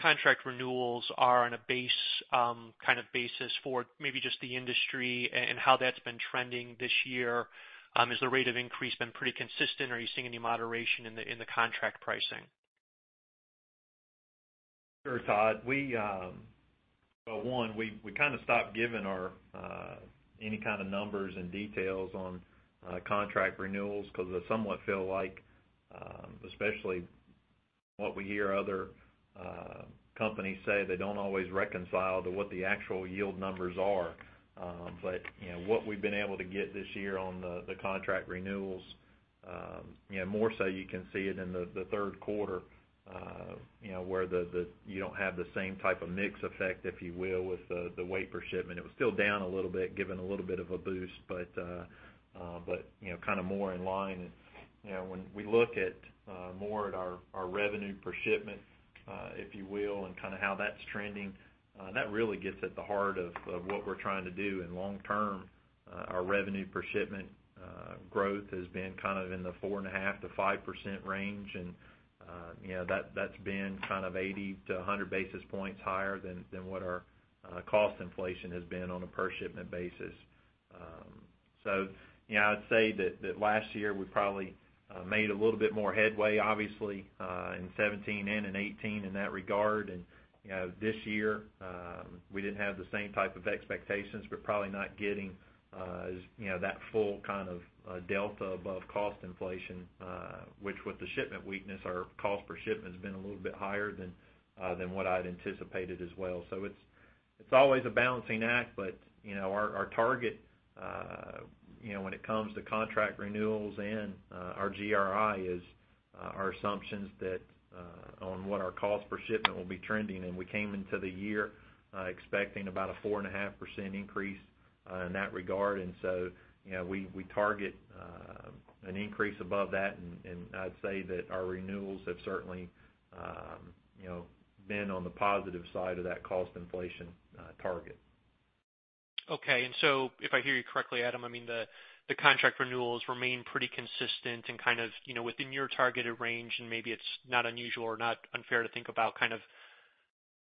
contract renewals are on a base kind of basis for maybe just the industry and how that's been trending this year. Has the rate of increase been pretty consistent? Are you seeing any moderation in the contract pricing? Sure, Todd. One, we kind of stopped giving any kind of numbers and details on contract renewals because they somewhat feel like, especially what we hear other companies say, they don't always reconcile to what the actual yield numbers are. What we've been able to get this year on the contract renewals, more so you can see it in the third quarter, where you don't have the same type of mix effect, if you will, with the weight per shipment. It was still down a little bit, given a little bit of a boost, but kind of more in line. When we look more at our revenue per shipment, if you will, and how that's trending, that really gets at the heart of what we're trying to do in long term. Our revenue per shipment growth has been in the 4.5%-5% range. That's been 80-100 basis points higher than what our cost inflation has been on a per shipment basis. I would say that last year we probably made a little bit more headway, obviously, in 2017 and in 2018 in that regard. This year, we didn't have the same type of expectations. We're probably not getting that full kind of delta above cost inflation, which with the shipment weakness, our cost per shipment has been a little bit higher than what I'd anticipated as well. It's always a balancing act, but our target when it comes to contract renewals and our GRI is our assumptions that on what our cost per shipment will be trending. We came into the year expecting about a 4.5% increase in that regard. We target an increase above that, and I'd say that our renewals have certainly been on the positive side of that cost inflation target. Okay. If I hear you correctly, Adam, the contract renewals remain pretty consistent and within your targeted range, and maybe it's not unusual or not unfair to think about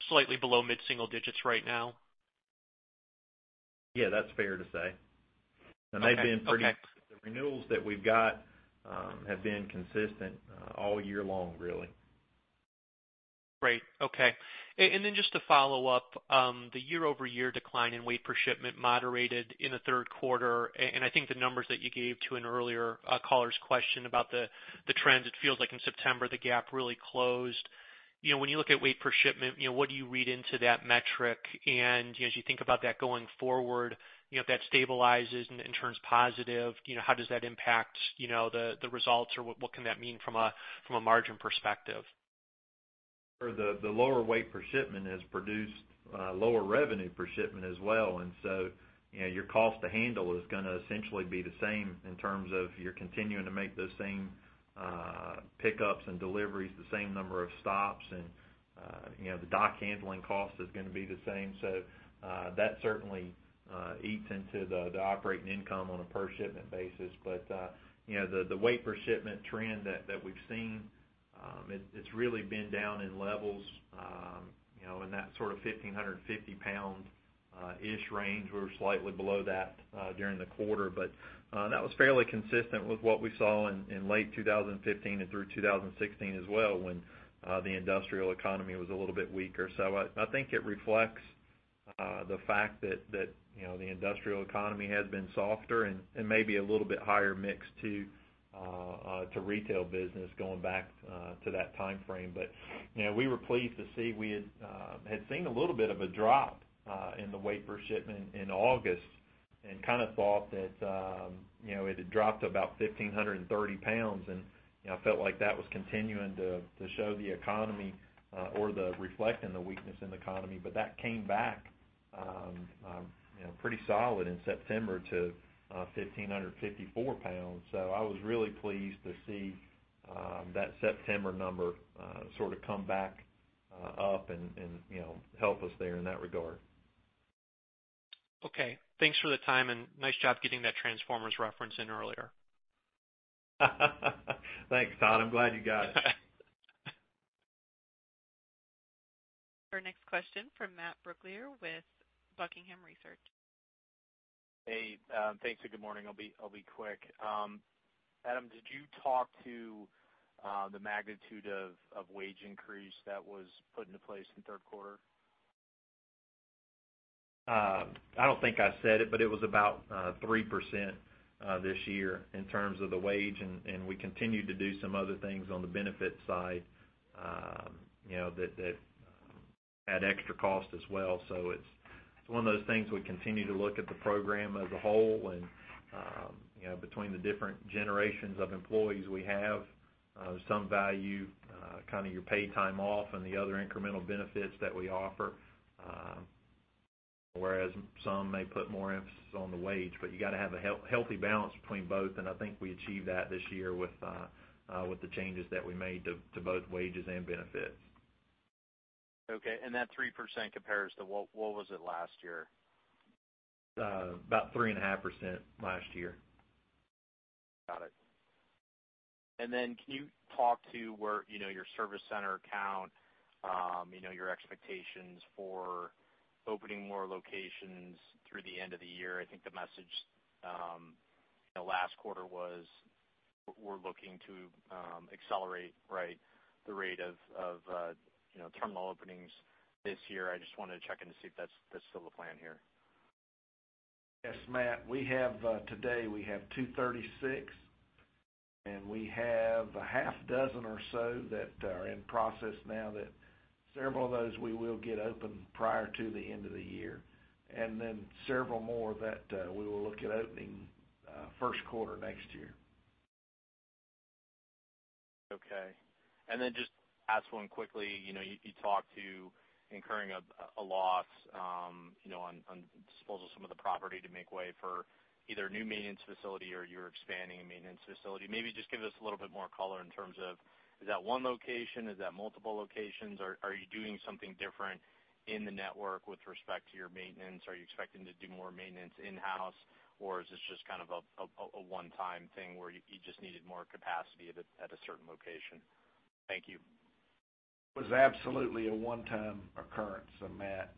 slightly below mid-single digits right now? Yeah, that's fair to say. Okay. The renewals that we've got have been consistent all year long, really. Great. Okay. Just to follow up, the year-over-year decline in weight per shipment moderated in the third quarter. I think the numbers that you gave to an earlier caller's question about the trends, it feels like in September, the gap really closed. When you look at weight per shipment, what do you read into that metric? As you think about that going forward, if that stabilizes and turns positive, how does that impact the results or what can that mean from a margin perspective? The lower weight per shipment has produced lower revenue per shipment as well. Your cost to handle is going to essentially be the same in terms of you're continuing to make those same pickups and deliveries, the same number of stops, and the dock handling cost is going to be the same. That certainly eats into the operating income on a per shipment basis. The weight per shipment trend that we've seen, it's really been down in levels in that sort of 1,550 pound-ish range. We were slightly below that during the quarter. That was fairly consistent with what we saw in late 2015 and through 2016 as well, when the industrial economy was a little bit weaker. I think it reflects the fact that the industrial economy has been softer and maybe a little bit higher mix to retail business going back to that timeframe. We were pleased to see we had seen a little bit of a drop in the weight per shipment in August and kind of thought that it had dropped to about 1,530 pounds, and felt like that was continuing to show the economy or reflecting the weakness in the economy. That came back pretty solid in September to 1,554 pounds. I was really pleased to see that September number sort of come back up and help us there in that regard. Okay. Thanks for the time and nice job getting that Transformers reference in earlier. Thanks, Todd. I'm glad you got it. Our next question from Matt Brooklier with Buckingham Research. Hey. Thanks. Good morning. I'll be quick. Adam, did you talk to the magnitude of wage increase that was put into place in the third quarter? I don't think I said it was about 3% this year in terms of the wage, and we continued to do some other things on the benefit side that had extra cost as well. It's one of those things, we continue to look at the program as a whole, and between the different generations of employees we have, some value your paid time off and the other incremental benefits that we offer, whereas some may put more emphasis on the wage. You got to have a healthy balance between both, and I think we achieved that this year with the changes that we made to both wages and benefits. Okay. That 3% compares to, what was it last year? About 3.5% last year. Got it. Can you talk to where your service center count, your expectations for opening more locations through the end of the year? I think the message last quarter was. We're looking to accelerate, right, the rate of terminal openings this year. I just wanted to check in to see if that's still the plan here. Yes, Matt, today we have 236. We have a half dozen or so that are in process now that several of those we will get open prior to the end of the year. Several more that we will look at opening first quarter next year. Okay. Just ask one quickly. You talked to incurring a loss on disposal of some of the property to make way for either a new maintenance facility or you're expanding a maintenance facility. Maybe just give us a little bit more color in terms of, is that one location, is that multiple locations? Are you doing something different in the network with respect to your maintenance? Are you expecting to do more maintenance in-house, or is this just a one-time thing where you just needed more capacity at a certain location? Thank you. It was absolutely a one-time occurrence, Matt.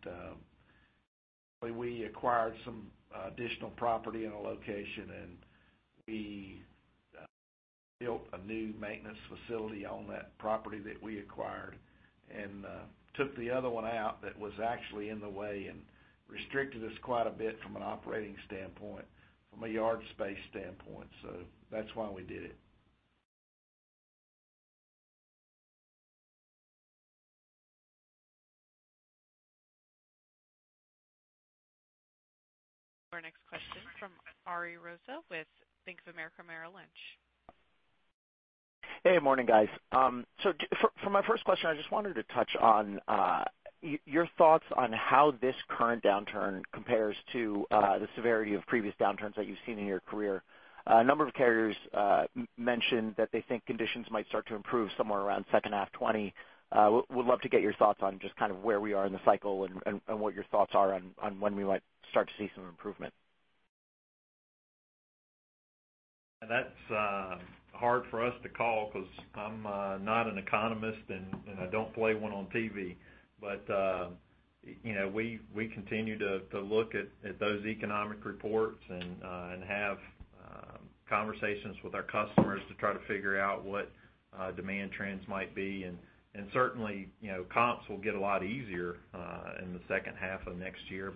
We acquired some additional property in a location, and we built a new maintenance facility on that property that we acquired and took the other one out that was actually in the way and restricted us quite a bit from an operating standpoint, from a yard space standpoint. That's why we did it. Our next question from Ken Hoexter with Bank of America Merrill Lynch. Morning, guys. For my first question, I just wanted to touch on your thoughts on how this current downturn compares to the severity of previous downturns that you've seen in your career. A number of carriers mentioned that they think conditions might start to improve somewhere around second half 2020. Would love to get your thoughts on just where we are in the cycle and what your thoughts are on when we might start to see some improvement. That's hard for us to call because I'm not an economist, and I don't play one on TV. We continue to look at those economic reports and have conversations with our customers to try to figure out what demand trends might be. Certainly, comps will get a lot easier in the second half of next year.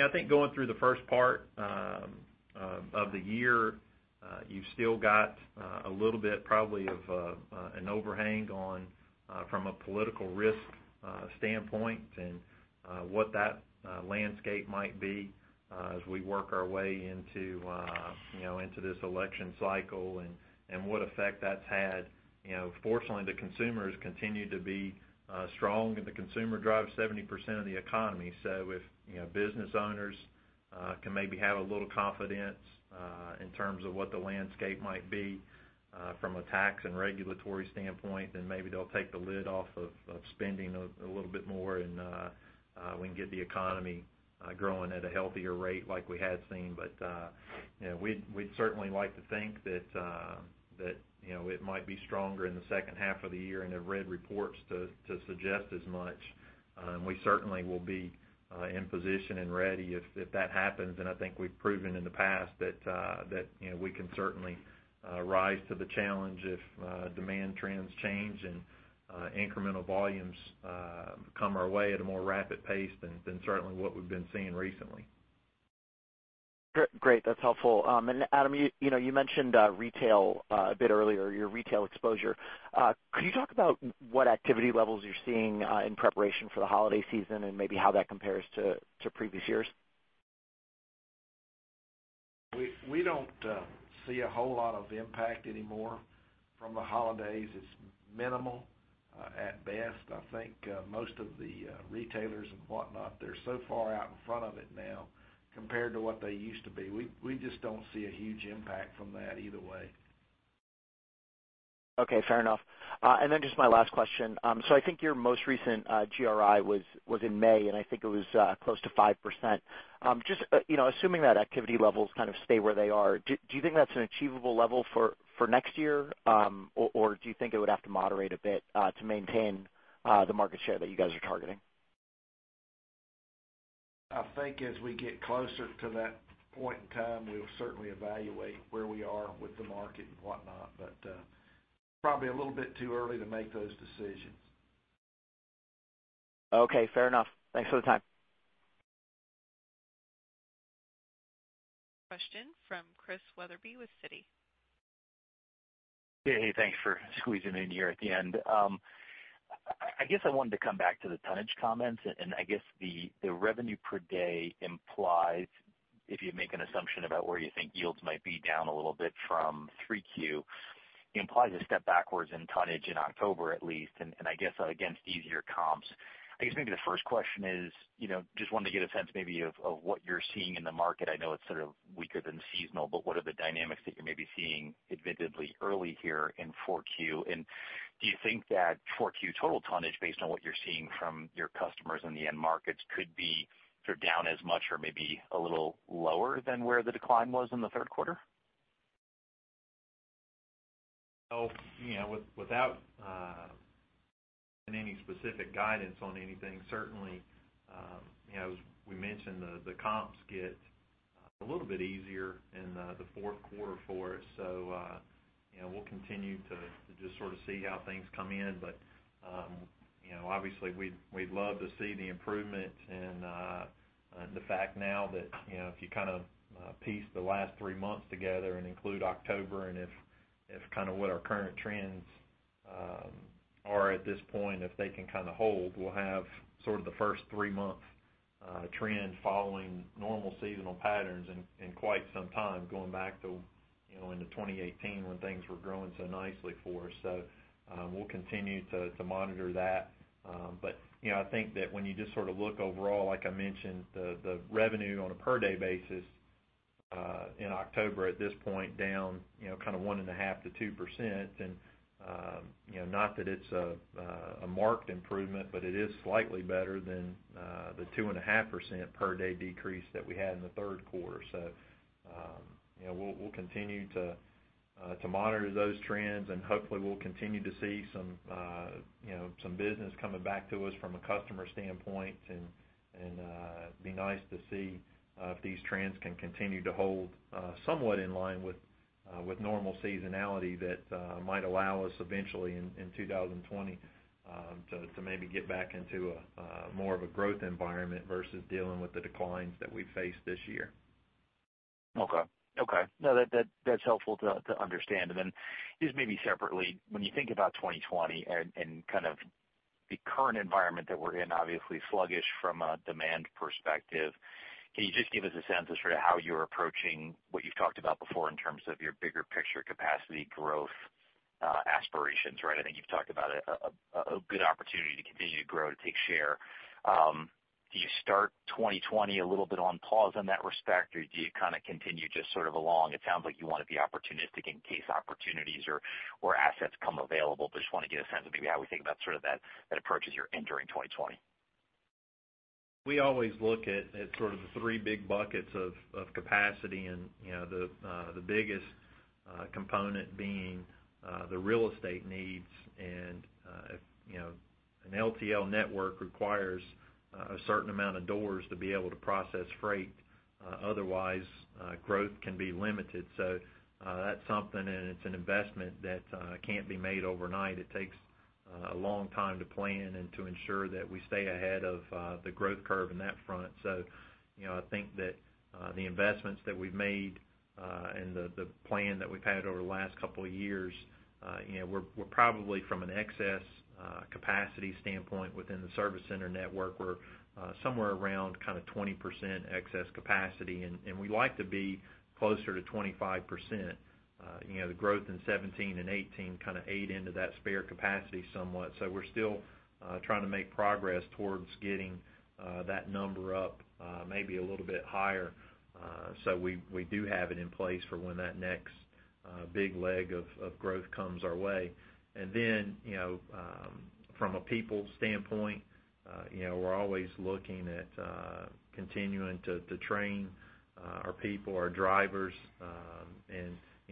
I think going through the first part of the year, you've still got a little bit probably of an overhang on from a political risk standpoint and what that landscape might be as we work our way into this election cycle and what effect that's had. Fortunately, the consumers continue to be strong, and the consumer drives 70% of the economy. If business owners can maybe have a little confidence in terms of what the landscape might be from a tax and regulatory standpoint, then maybe they'll take the lid off of spending a little bit more, and we can get the economy growing at a healthier rate like we had seen. We'd certainly like to think that it might be stronger in the second half of the year, and I've read reports to suggest as much. We certainly will be in position and ready if that happens, and I think we've proven in the past that we can certainly rise to the challenge if demand trends change and incremental volumes come our way at a more rapid pace than certainly what we've been seeing recently. Great. That's helpful. Adam, you mentioned retail a bit earlier, your retail exposure. Could you talk about what activity levels you're seeing in preparation for the holiday season and maybe how that compares to previous years? We don't see a whole lot of impact anymore from the holidays. It's minimal at best. I think most of the retailers and whatnot, they're so far out in front of it now compared to what they used to be. We just don't see a huge impact from that either way. Okay, fair enough. Just my last question. I think your most recent GRI was in May, and I think it was close to 5%. Just assuming that activity levels stay where they are, do you think that's an achievable level for next year? Do you think it would have to moderate a bit to maintain the market share that you guys are targeting? I think as we get closer to that point in time, we'll certainly evaluate where we are with the market and whatnot, but probably a little bit too early to make those decisions. Okay, fair enough. Thanks for the time. Question from Christian Wetherbee with Citi. Hey, thanks for squeezing me in here at the end. I guess I wanted to come back to the tonnage comments. I guess the revenue per day implies, if you make an assumption about where you think yields might be down a little bit from 3Q, implies a step backwards in tonnage in October, at least. I guess against easier comps. I guess maybe the first question is, just wanted to get a sense maybe of what you're seeing in the market. I know it's sort of weaker than seasonal, but what are the dynamics that you're maybe seeing admittedly early here in 4Q? Do you think that 4Q total tonnage, based on what you're seeing from your customers in the end markets, could be down as much or maybe a little lower than where the decline was in the third quarter? Without any specific guidance on anything. Certainly, as we mentioned, the comps get a little bit easier in the fourth quarter for us. We'll continue to just sort of see how things come in. Obviously, we'd love to see the improvement and the fact now that if you piece the last three months together and include October, and if our current trends are at this point, if they can hold, we'll have the first three-month trend following normal seasonal patterns in quite some time, going back to into 2018 when things were growing so nicely for us. We'll continue to monitor that. I think that when you just look overall, like I mentioned, the revenue on a per-day basis, in October at this point down 1.5%-2%. Not that it's a marked improvement, but it is slightly better than the 2.5% per-day decrease that we had in the third quarter. We'll continue to monitor those trends, and hopefully we'll continue to see some business coming back to us from a customer standpoint. It'd be nice to see if these trends can continue to hold somewhat in line with normal seasonality that might allow us eventually in 2020 to maybe get back into more of a growth environment versus dealing with the declines that we faced this year. Okay. No, that's helpful to understand. Just maybe separately, when you think about 2020 and the current environment that we're in, obviously sluggish from a demand perspective, can you just give us a sense of how you're approaching what you've talked about before in terms of your bigger picture capacity growth aspirations, right? I think you've talked about a good opportunity to continue to grow, to take share. Do you start 2020 a little bit on pause in that respect, or do you continue just sort of along? It sounds like you want to be opportunistic in case opportunities or assets come available, just want to get a sense of maybe how we think about that approach as you're entering 2020. We always look at sort of the three big buckets of capacity and the biggest component being the real estate needs. An LTL network requires a certain amount of doors to be able to process freight. Otherwise, growth can be limited. That's something, and it's an investment that can't be made overnight. It takes a long time to plan and to ensure that we stay ahead of the growth curve on that front. I think that the investments that we've made and the plan that we've had over the last couple of years, we're probably from an excess capacity standpoint within the service center network, we're somewhere around 20% excess capacity, and we like to be closer to 25%. The growth in 2017 and 2018 aided into that spare capacity somewhat. We're still trying to make progress towards getting that number up maybe a little bit higher. We do have it in place for when that next big leg of growth comes our way. From a people standpoint, we're always looking at continuing to train our people, our drivers.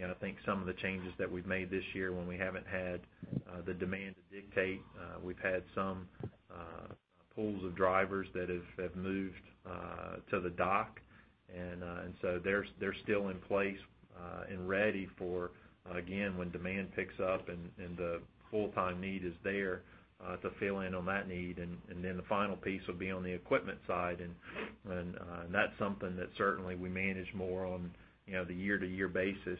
I think some of the changes that we've made this year when we haven't had the demand to dictate, we've had some pools of drivers that have moved to the dock. They're still in place and ready for, again, when demand picks up and the full-time need is there to fill in on that need. The final piece will be on the equipment side, and that's something that certainly we manage more on the year-to-year basis.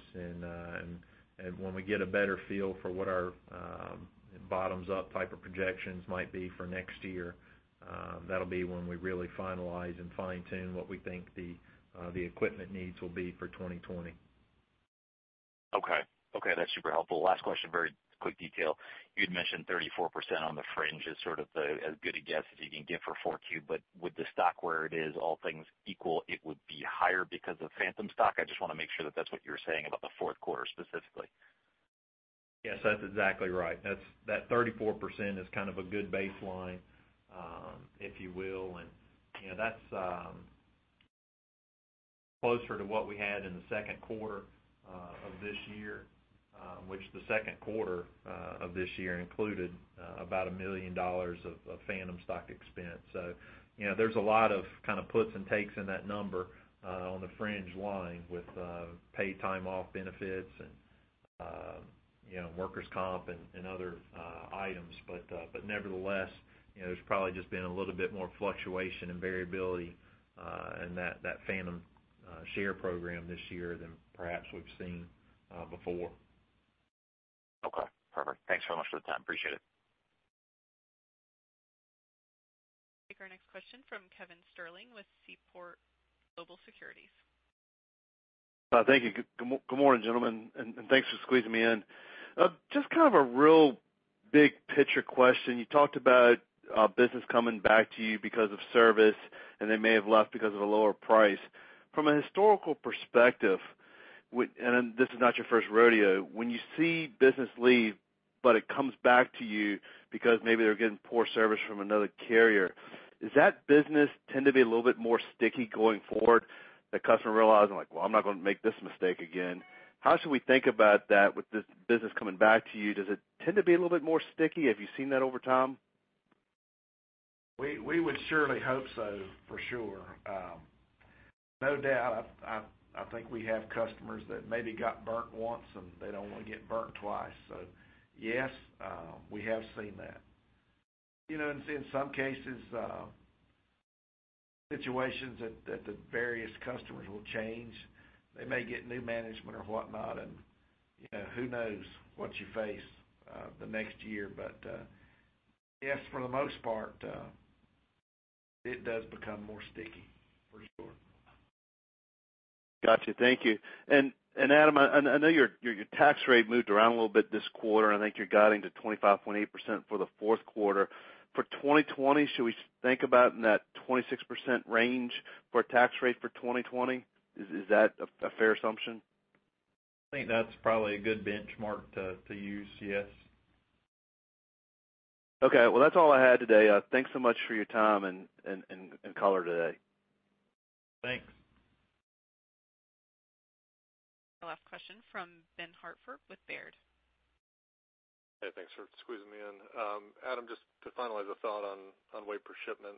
When we get a better feel for what our bottoms-up type of projections might be for next year, that'll be when we really finalize and fine-tune what we think the equipment needs will be for 2020. Okay. That's super helpful. Last question, very quick detail. You had mentioned 34% on the fringe as sort of as good a guess as you can get for 4Q, but with the stock where it is, all things equal, it would be higher because of phantom stock? I just want to make sure that's what you were saying about the fourth quarter specifically. Yes, that's exactly right. That 34% is kind of a good baseline, if you will. That's closer to what we had in the second quarter of this year, which the second quarter of this year included about $1 million of phantom stock expense. There's a lot of puts and takes in that number on the fringe line with paid time off benefits and workers comp and other items. Nevertheless, there's probably just been a little bit more fluctuation and variability in that phantom share program this year than perhaps we've seen before. Okay, perfect. Thanks very much for the time. Appreciate it. Take our next question from Kevin Sterling with Seaport Global Securities. Thank you. Good morning, gentlemen, and thanks for squeezing me in. Just a real big picture question. You talked about business coming back to you because of service, and they may have left because of a lower price. From a historical perspective, and this is not your first rodeo, when you see business leave, but it comes back to you because maybe they're getting poor service from another carrier? Does that business tend to be a little bit more sticky going forward? The customer realizing like, "Well, I'm not going to make this mistake again." How should we think about that with this business coming back to you? Does it tend to be a little bit more sticky? Have you seen that over time? We would surely hope so, for sure. No doubt, I think we have customers that maybe got burnt once, and they don't want to get burnt twice. Yes, we have seen that. In some cases, situations that the various customers will change. They may get new management or whatnot, and who knows what you face the next year. Yes, for the most part, it does become more sticky, for sure. Got you. Thank you. Adam, I know your tax rate moved around a little bit this quarter, and I think you're guiding to 25.8% for the fourth quarter. For 2020, should we think about in that 26% range for a tax rate for 2020? Is that a fair assumption? I think that's probably a good benchmark to use, yes. Okay. Well, that's all I had today. Thanks so much for your time and color today. Thanks. Last question from Benjamin Hartford with Baird. Hey, thanks for squeezing me in. Adam, just to finalize a thought on weight per shipment.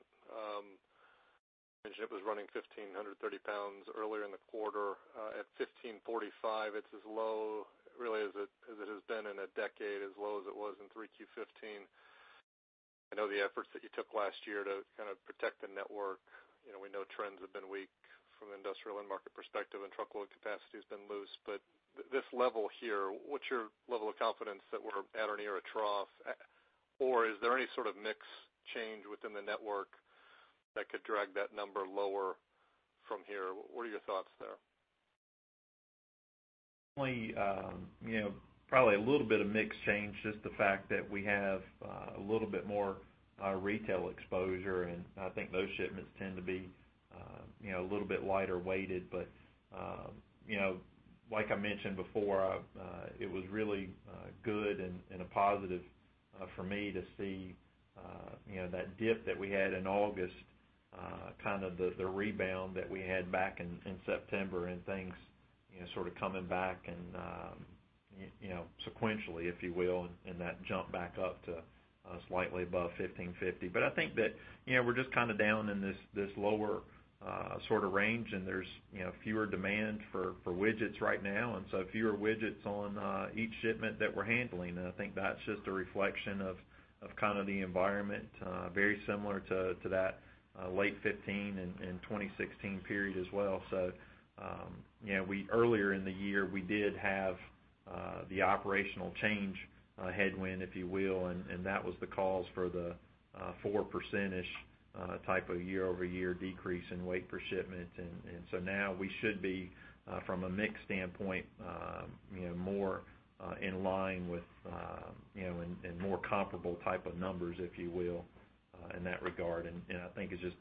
Shipment was running 1,530 pounds earlier in the quarter. At 1,545, it's as low, really as it has been in a decade, as low as it was in 3Q15. I know the efforts that you took last year to protect the network. We know trends have been weak from an industrial end market perspective, and truckload capacity has been loose. This level here, what's your level of confidence that we're at or near a trough? Is there any sort of mix change within the network that could drag that number lower from here? What are your thoughts there? Only probably a little bit of mix change, just the fact that we have a little bit more retail exposure, and I think those shipments tend to be a little bit lighter weighted. Like I mentioned before, it was really good and a positive for me to see that dip that we had in August, the rebound that we had back in September and things sort of coming back and sequentially, if you will, and that jump back up to slightly above 1,550. I think that we're just down in this lower range, there's fewer demand for widgets right now, fewer widgets on each shipment that we're handling. I think that's just a reflection of the environment very similar to that late 2015 and 2016 period as well. Earlier in the year, we did have the operational change headwind, if you will, and that was the cause for the 4%-ish type of year-over-year decrease in weight per shipment. Now we should be, from a mix standpoint, more in line with and more comparable type of numbers, if you will, in that regard. I think it's just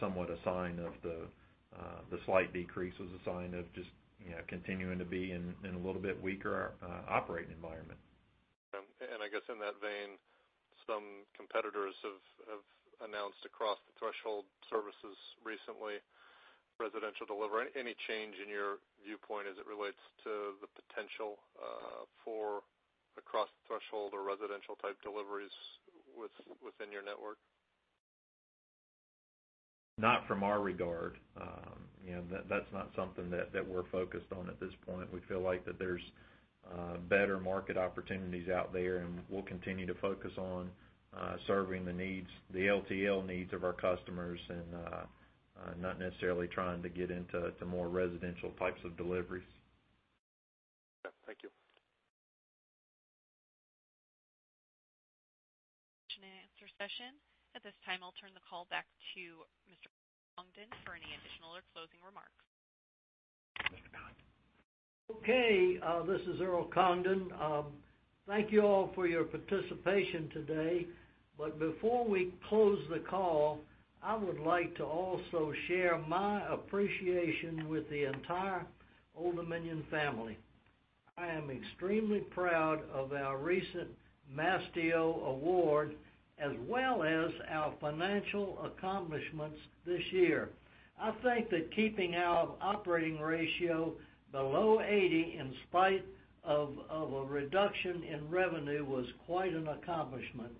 somewhat a sign of the slight decrease as a sign of just continuing to be in a little bit weaker operating environment. I guess in that vein, some competitors have announced across the threshold services recently, residential delivery. Any change in your viewpoint as it relates to the potential for across the threshold or residential type deliveries within your network? Not from our regard. That's not something that we're focused on at this point. We feel like that there's better market opportunities out there, and we'll continue to focus on serving the LTL needs of our customers and not necessarily trying to get into more residential types of deliveries. Yeah. Thank you. Question and answer session. At this time, I'll turn the call back to Mr. Congdon for any additional or closing remarks. Mr. Congdon. Okay. This is Earl Congdon. Thank you all for your participation today. Before we close the call, I would like to also share my appreciation with the entire Old Dominion family. I am extremely proud of our recent Mastio award, as well as our financial accomplishments this year. I think that keeping our operating ratio below 80 in spite of a reduction in revenue was quite an accomplishment.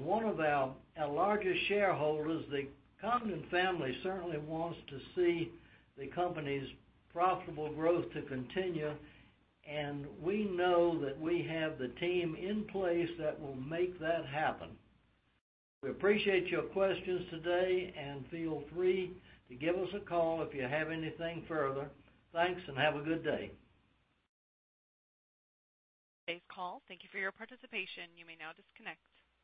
One of our largest shareholders, the Congdon family, certainly wants to see the company's profitable growth to continue, and we know that we have the team in place that will make that happen. We appreciate your questions today, and feel free to give us a call if you have anything further. Thanks, and have a good day. Today's call. Thank you for your participation. You may now disconnect.